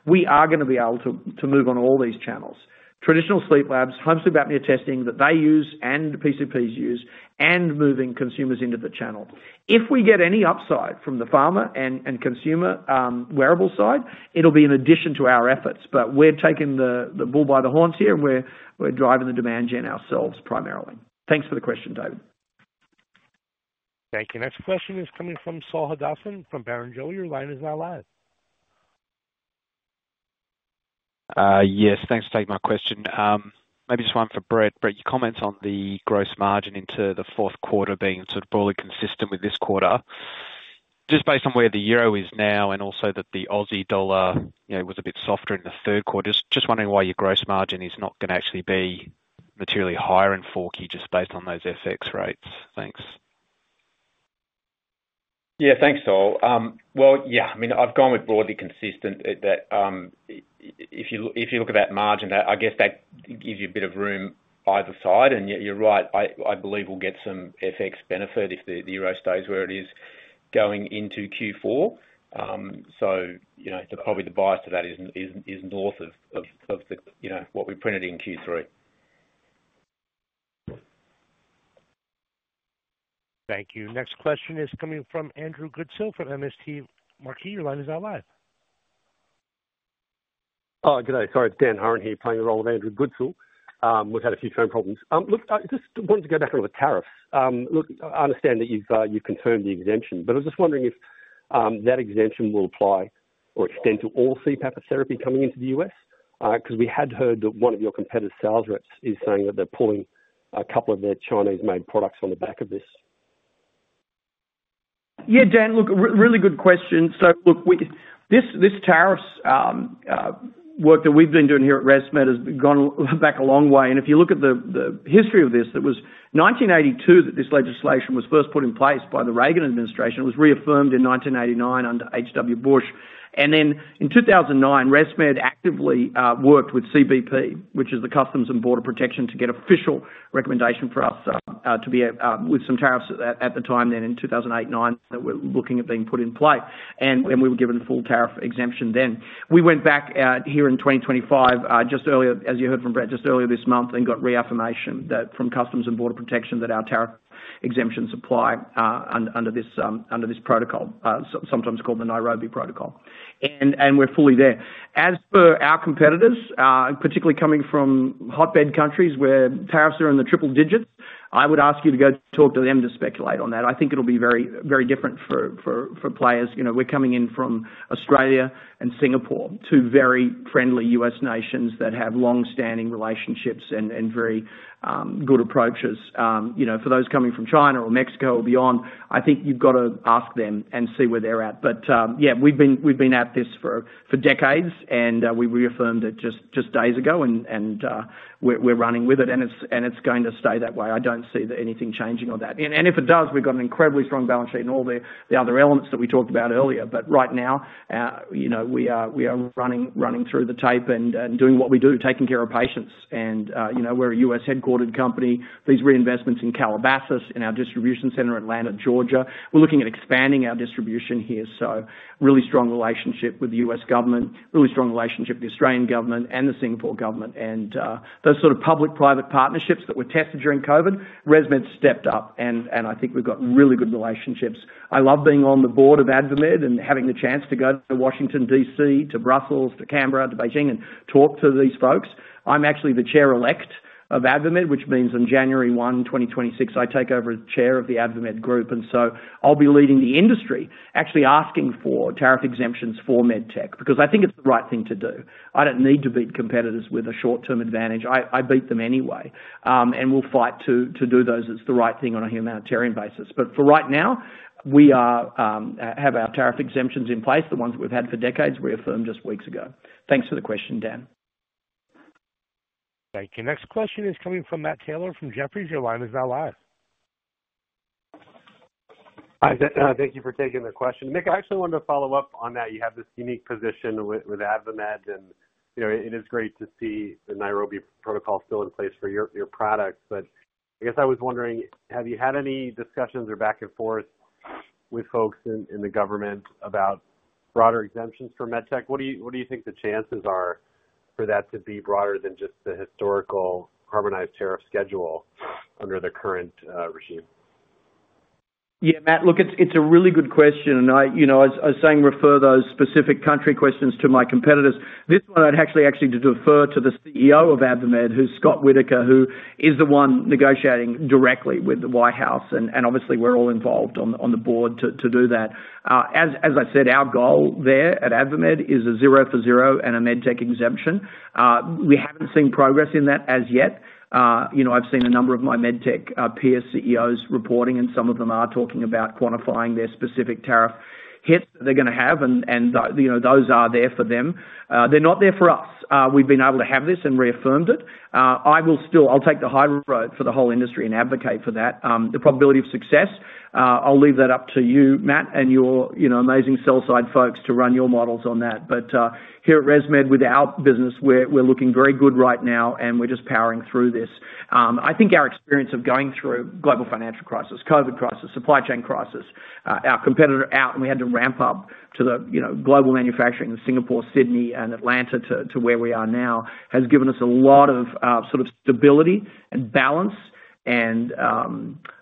We are going to be able to move on all these channels: traditional sleep labs, home sleep apnea testing that they use and PCPs use, and moving consumers into the channel. If we get any upside from the pharma and consumer wearable side, it'll be in addition to our efforts. We're taking the bull by the horns here, and we're driving the demand gen ourselves primarily. Thanks for the question, David. Thank you. Next question is coming from Saul Hadassin from Barrenjoey. Your line is now live. Yes, thanks for taking my question. Maybe just one for Brett. Brett, your comments on the gross margin into the Q4 being sort of broadly consistent with this quarter, just based on where the euro is now and also that the Aussie dollar was a bit softer in the Q3. Just wondering why your gross margin is not going to actually be materially higher in Q4 just based on those FX rates. Thanks. Yeah, thanks, Saul. Yeah, I mean, I've gone with broadly consistent that if you look at that margin, I guess that gives you a bit of room either side. You're right, I believe we'll get some FX benefit if the euro stays where it is going into Q4. Probably the bias to that is north of what we printed in Q3. Thank you. Next question is coming from Andrew Goodsell from MST Marquee. Your line is now live. Good day. Sorry, it's Dan Hurren here playing the role of Andrew Goodsell. We've had a few phone problems. Look, I just wanted to go back on the tariffs. Look, I understand that you've confirmed the exemption, but I was just wondering if that exemption will apply or extend to all CPAP therapy coming into the U.S. because we had heard that one of your competitors, SalesReps, is saying that they're pulling a couple of their Chinese-made products on the back of this. Yeah, Dan, really good question. This tariffs work that we've been doing here at ResMed has gone back a long way. If you look at the history of this, it was 1982 that this legislation was first put in place by the Reagan administration. It was reaffirmed in 1989 under H.W. Bush. In 2009, ResMed actively worked with CBP, which is the Customs and Border Protection, to get official recommendation for us to be with some tariffs at the time in 2008, 2009 that were looking at being put in play. We were given full tariff exemption then. We went back here in 2025, just earlier, as you heard from Brett, just earlier this month, and got reaffirmation from Customs and Border Protection that our tariff exemptions apply under this protocol, sometimes called the Nairobi Protocol. We are fully there. As for our competitors, particularly coming from hotbed countries where tariffs are in the triple digits, I would ask you to go talk to them to speculate on that. I think it will be very different for players. We are coming in from Australia and Singapore, two very friendly US nations that have long-standing relationships and very good approaches. For those coming from China or Mexico or beyond, I think you've got to ask them and see where they're at. Yeah, we've been at this for decades, and we reaffirmed it just days ago, and we're running with it, and it's going to stay that way. I don't see anything changing on that. If it does, we've got an incredibly strong balance sheet and all the other elements that we talked about earlier. Right now, we are running through the tape and doing what we do, taking care of patients. We're a US-headquartered company. These reinvestments in Calabasas, in our distribution center in Atlanta, Georgia, we're looking at expanding our distribution here. Really strong relationship with the US government, really strong relationship with the Australian government and the Singapore government. Those sort of public-private partnerships that were tested during COVID, ResMed stepped up, and I think we've got really good relationships. I love being on the board of AdvaMed and having the chance to go to Washington, D.C., to Brussels, to Canberra, to Beijing, and talk to these folks. I'm actually the chair-elect of AdvaMed, which means on January 1, 2026, I take over as chair of the AdvaMed group. I'll be leading the industry actually asking for tariff exemptions for med tech because I think it's the right thing to do. I don't need to beat competitors with a short-term advantage. I beat them anyway, and we'll fight to do those as the right thing on a humanitarian basis. For right now, we have our tariff exemptions in place, the ones that we've had for decades reaffirmed just weeks ago. Thanks for the question, Dan. Thank you. Next question is coming from Matt Taylor from Jefferies. Your line is now live. Hi, thank you for taking the question. Mick, I actually wanted to follow up on that. You have this unique position with AdvaMed, and it is great to see the Nairobi Protocol still in place for your products. I guess I was wondering, have you had any discussions or back and forth with folks in the government about broader exemptions for med tech? What do you think the chances are for that to be broader than just the historical harmonized tariff schedule under the current regime? Yeah, Matt, look, it's a really good question. I was saying refer those specific country questions to my competitors. This one, I'd actually like to defer to the CEO of AdvaMed, who's Scott Whitaker, who is the one negotiating directly with the White House. Obviously, we're all involved on the board to do that. As I said, our goal there at AdvaMed is a zero for zero and a med tech exemption. We haven't seen progress in that as yet. I've seen a number of my med tech peer CEOs reporting, and some of them are talking about quantifying their specific tariff hits that they're going to have, and those are there for them. They're not there for us. We've been able to have this and reaffirmed it. I'll take the high road for the whole industry and advocate for that. The probability of success, I'll leave that up to you, Matt, and your amazing sell-side folks to run your models on that. Here at ResMed, with our business, we're looking very good right now, and we're just powering through this. I think our experience of going through global financial crisis, COVID crisis, supply chain crisis, our competitor out, and we had to ramp up to the global manufacturing in Singapore, Sydney, and Atlanta to where we are now has given us a lot of sort of stability and balance. I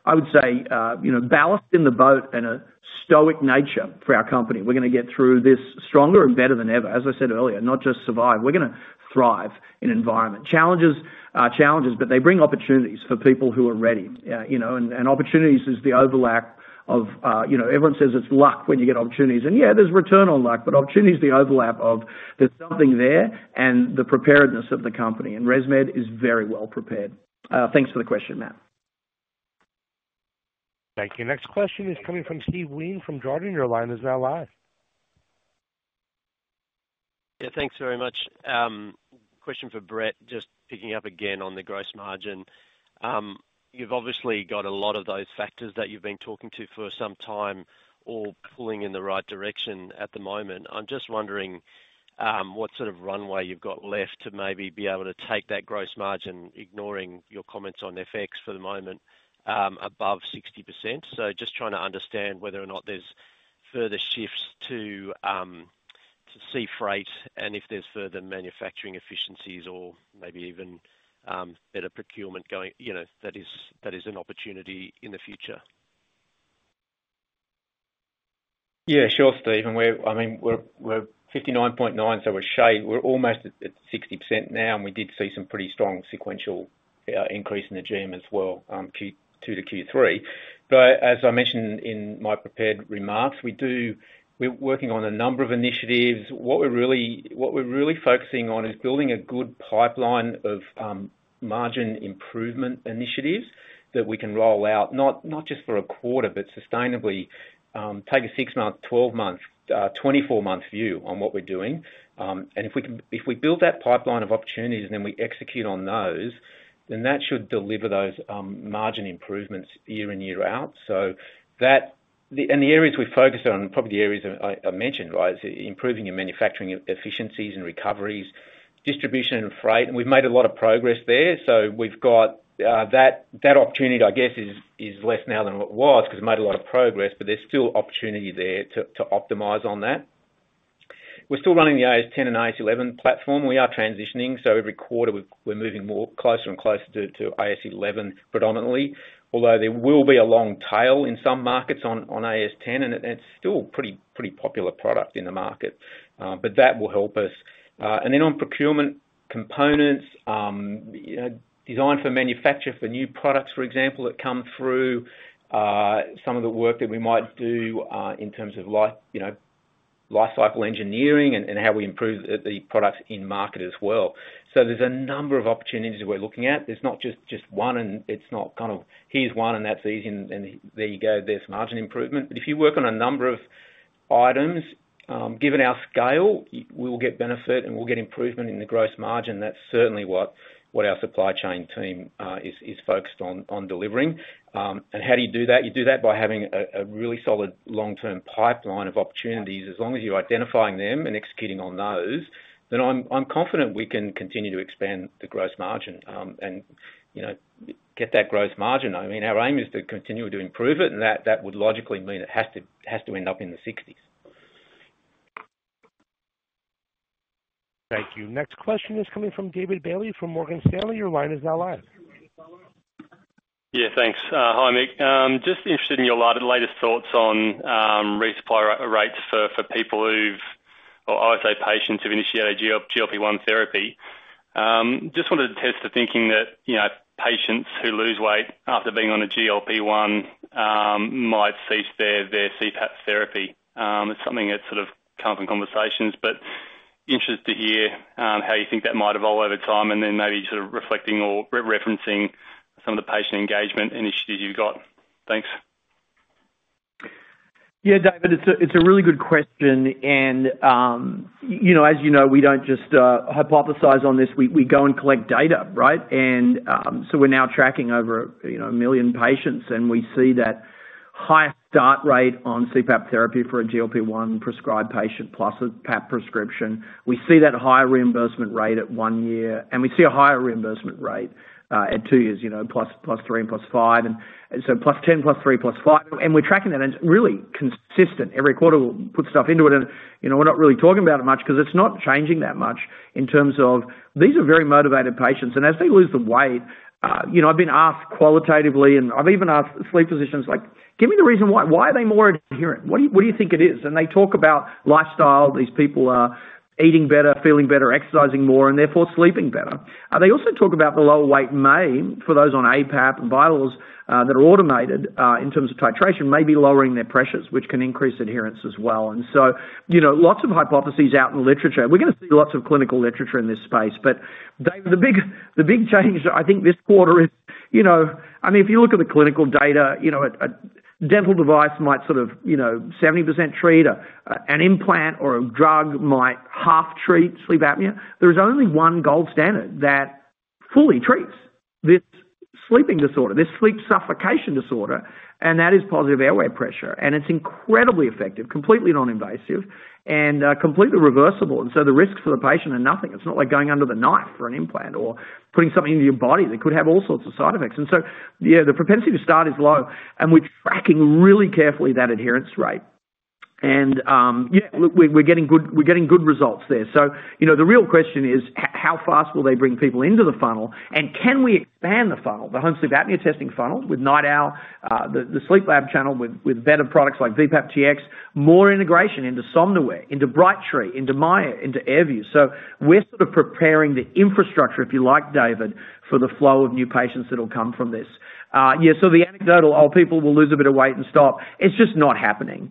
would say ballast in the boat and a stoic nature for our company. We're going to get through this stronger and better than ever. As I said earlier, not just survive. We're going to thrive in environment. Challenges, challenges, but they bring opportunities for people who are ready. Opportunities is the overlap of everyone says it's luck when you get opportunities. Yeah, there's return on luck, but opportunity is the overlap of there's something there and the preparedness of the company. ResMed is very well prepared. Thanks for the question, Matt. Thank you. Next question is coming from Steve Wheen from Jarden. Your line is now live. Yeah, thanks very much. Question for Brett, just picking up again on the gross margin. You've obviously got a lot of those factors that you've been talking to for some time are pulling in the right direction at the moment. I'm just wondering what sort of runway you've got left to maybe be able to take that gross margin, ignoring your comments on FX for the moment, above 60%. Just trying to understand whether or not there's further shifts to sea freight and if there's further manufacturing efficiencies or maybe even better procurement going that is an opportunity in the future. Yeah, sure, Steve. I mean, we're 59.9, so we're almost at 60% now. We did see some pretty strong sequential increase in the GM as well Q2 to Q3. As I mentioned in my prepared remarks, we're working on a number of initiatives. What we're really focusing on is building a good pipeline of margin improvement initiatives that we can roll out, not just for a quarter, but sustainably take a 6-month, 12-month, 24-month view on what we're doing. If we build that pipeline of opportunities and then we execute on those, that should deliver those margin improvements year in, year out. The areas we focus on are probably the areas I mentioned, right? Improving your manufacturing efficiencies and recoveries, distribution and freight. We've made a lot of progress there. We've got that opportunity, I guess, is less now than it was because we've made a lot of progress, but there's still opportunity there to optimize on that. We're still running the AirSense 10 and AirSense 11 platform. We are transitioning. Every quarter, we're moving closer and closer to AS11 predominantly, although there will be a long tail in some markets on AS10, and it's still a pretty popular product in the market. That will help us. On procurement components, design for manufacture for new products, for example, that come through some of the work that we might do in terms of life cycle engineering and how we improve the products in market as well. There are a number of opportunities we're looking at. There's not just one, and it's not kind of, "Here's one, and that's easy, and there you go. There's margin improvement." If you work on a number of items, given our scale, we will get benefit, and we'll get improvement in the gross margin. That's certainly what our supply chain team is focused on delivering. How do you do that? You do that by having a really solid long-term pipeline of opportunities. As long as you're identifying them and executing on those, then I'm confident we can continue to expand the gross margin and get that gross margin. I mean, our aim is to continue to improve it, and that would logically mean it has to end up in the 60s. Thank you. Next question is coming from David Bailey from Morgan Stanley. Your line is now live. Yeah, thanks. Hi, Mick. Just interested in your latest thoughts on resupply rates for people who've, or I would say patients who've initiated GLP-1 therapy. Just wanted to test the thinking that patients who lose weight after being on a GLP-1 might cease their CPAP therapy.It's something that's sort of come up in conversations, but interested to hear how you think that might evolve over time and then maybe sort of reflecting or referencing some of the patient engagement initiatives you've got. Thanks. Yeah, David, it's a really good question. As you know, we don't just hypothesize on this. We go and collect data, right? We're now tracking over a million patients, and we see that high start rate on CPAP therapy for a GLP-1 prescribed patient plus a PAP prescription. We see that higher reimbursement rate at one year, and we see a higher reimbursement rate at two years, plus three and plus five. Plus ten, plus three, plus five. We're tracking that and it's really consistent. Every quarter, we'll put stuff into it, and we're not really talking about it much because it's not changing that much in terms of these are very motivated patients. As they lose the weight, I've been asked qualitatively, and I've even asked sleep physicians, like, "Give me the reason why. Why are they more adherent? What do you think it is?" They talk about lifestyle. These people are eating better, feeling better, exercising more, and therefore sleeping better. They also talk about the lower weight may, for those on APAP and vitals that are automated in terms of titration, may be lowering their pressures, which can increase adherence as well. Lots of hypotheses out in the literature. We're going to see lots of clinical literature in this space. The big change I think this quarter is, I mean, if you look at the clinical data, a dental device might sort of 70% treat, an implant or a drug might half-treat sleep apnea. There is only one gold standard that fully treats this sleeping disorder, this sleep suffocation disorder, and that is positive airway pressure. It is incredibly effective, completely non-invasive, and completely reversible. The risks for the patient are nothing. It is not like going under the knife for an implant or putting something into your body. They could have all sorts of side effects. Yeah, the propensity to start is low, and we are tracking really carefully that adherence rate. Yeah, we are getting good results there. The real question is, how fast will they bring people into the funnel? Can we expand the funnel, the home sleep apnea testing funnel with NightOwl, the Sleep Lab channel with better products like VPAP Tx, more integration into Somnoware, into Brightree, into myAir, into AirView? We are sort of preparing the infrastructure, if you like, David, for the flow of new patients that will come from this. The anecdotal, "Oh, people will lose a bit of weight and stop," it's just not happening.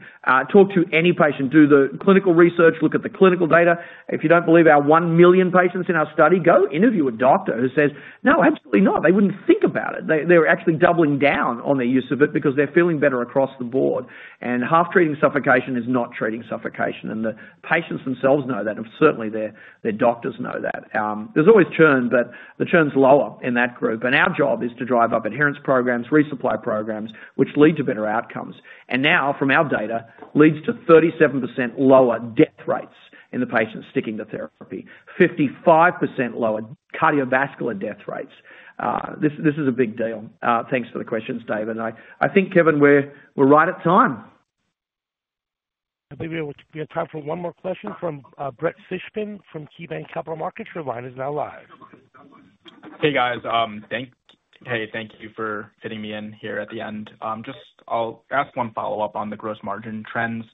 Talk to any patient. Do the clinical research. Look at the clinical data. If you do not believe our one million patients in our study, go interview a doctor who says, "No, absolutely not. They would not think about it. They are actually doubling down on their use of it because they are feeling better across the board." Half-treating suffocation is not treating suffocation. The patients themselves know that, and certainly their doctors know that. There's always churn, but the churn's lower in that group. Our job is to drive up adherence programs, resupply programs, which lead to better outcomes. Now, from our data, leads to 37% lower death rates in the patients sticking to therapy, 55% lower cardiovascular death rates. This is a big deal. Thanks for the questions, David. I think, Kevin, we're right at time. I believe we have time for one more question from Brett Fishbin from KeyBank Capital Markets. Your line is now live. Hey, guys. Hey, thank you for fitting me in here at the end. Just I'll ask one follow-up on the gross margin trends.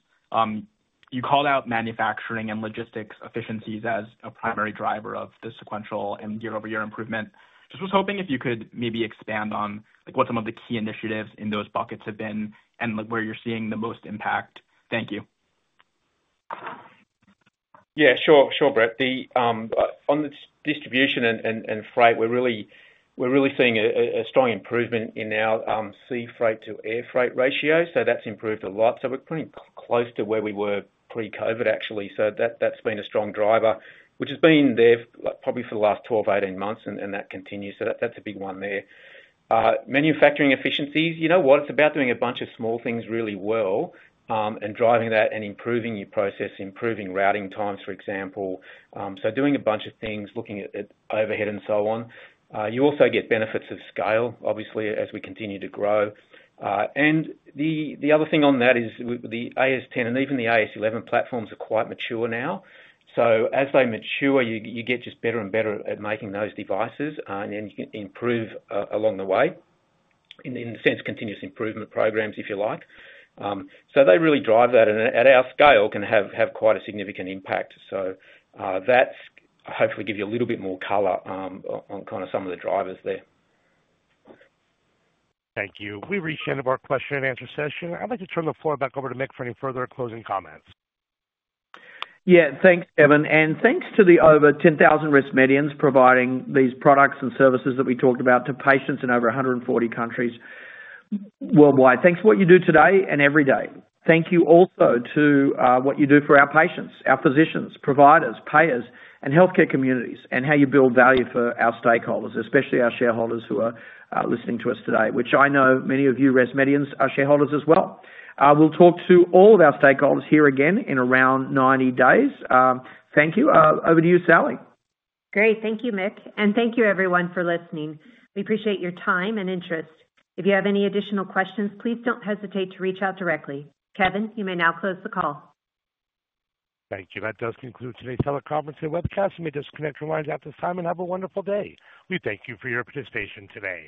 You called out manufacturing and logistics efficiencies as a primary driver of the sequential and year-over-year improvement. Just was hoping if you could maybe expand on what some of the key initiatives in those buckets have been and where you're seeing the most impact. Thank you. Yeah, sure. Sure, Brett. On the distribution and freight, we're really seeing a strong improvement in our sea freight to air freight ratio. That's improved a lot. We're pretty close to where we were pre-COVID, actually. That's been a strong driver, which has been there probably for the last 12-18 months, and that continues. That's a big one there. Manufacturing efficiencies, you know what? It's about doing a bunch of small things really well and driving that and improving your process, improving routing times, for example. Doing a bunch of things, looking at overhead and so on. You also get benefits of scale, obviously, as we continue to grow. The other thing on that is the AS10 and even the AS11 platforms are quite mature now. As they mature, you get just better and better at making those devices and then improve along the way in the sense of continuous improvement programs, if you like. They really drive that, and at our scale, can have quite a significant impact. That hopefully gives you a little bit more color on kind of some of the drivers there. Thank you. We reached the end of our question and answer session. I'd like to turn the floor back over to Mick for any further closing comments. Yeah, thanks, Kevin. Thanks to the over 10,000 ResMedians providing these products and services that we talked about to patients in over 140 countries worldwide. Thanks for what you do today and every day. Thank you also to what you do for our patients, our physicians, providers, payers, and healthcare communities and how you build value for our stakeholders, especially our shareholders who are listening to us today, which I know many of you ResMedians are shareholders as well. We will talk to all of our stakeholders here again in around 90 days. Thank you. Over to you, Salli. Great. Thank you, Mick. Thank you, everyone, for listening. We appreciate your time and interest. If you have any additional questions, please do not hesitate to reach out directly. Kevin, you may now close the call. Thank you. That does conclude today's teleconference and webcast. You may disconnect your lines at this time and have a wonderful day. We thank you for your participation today.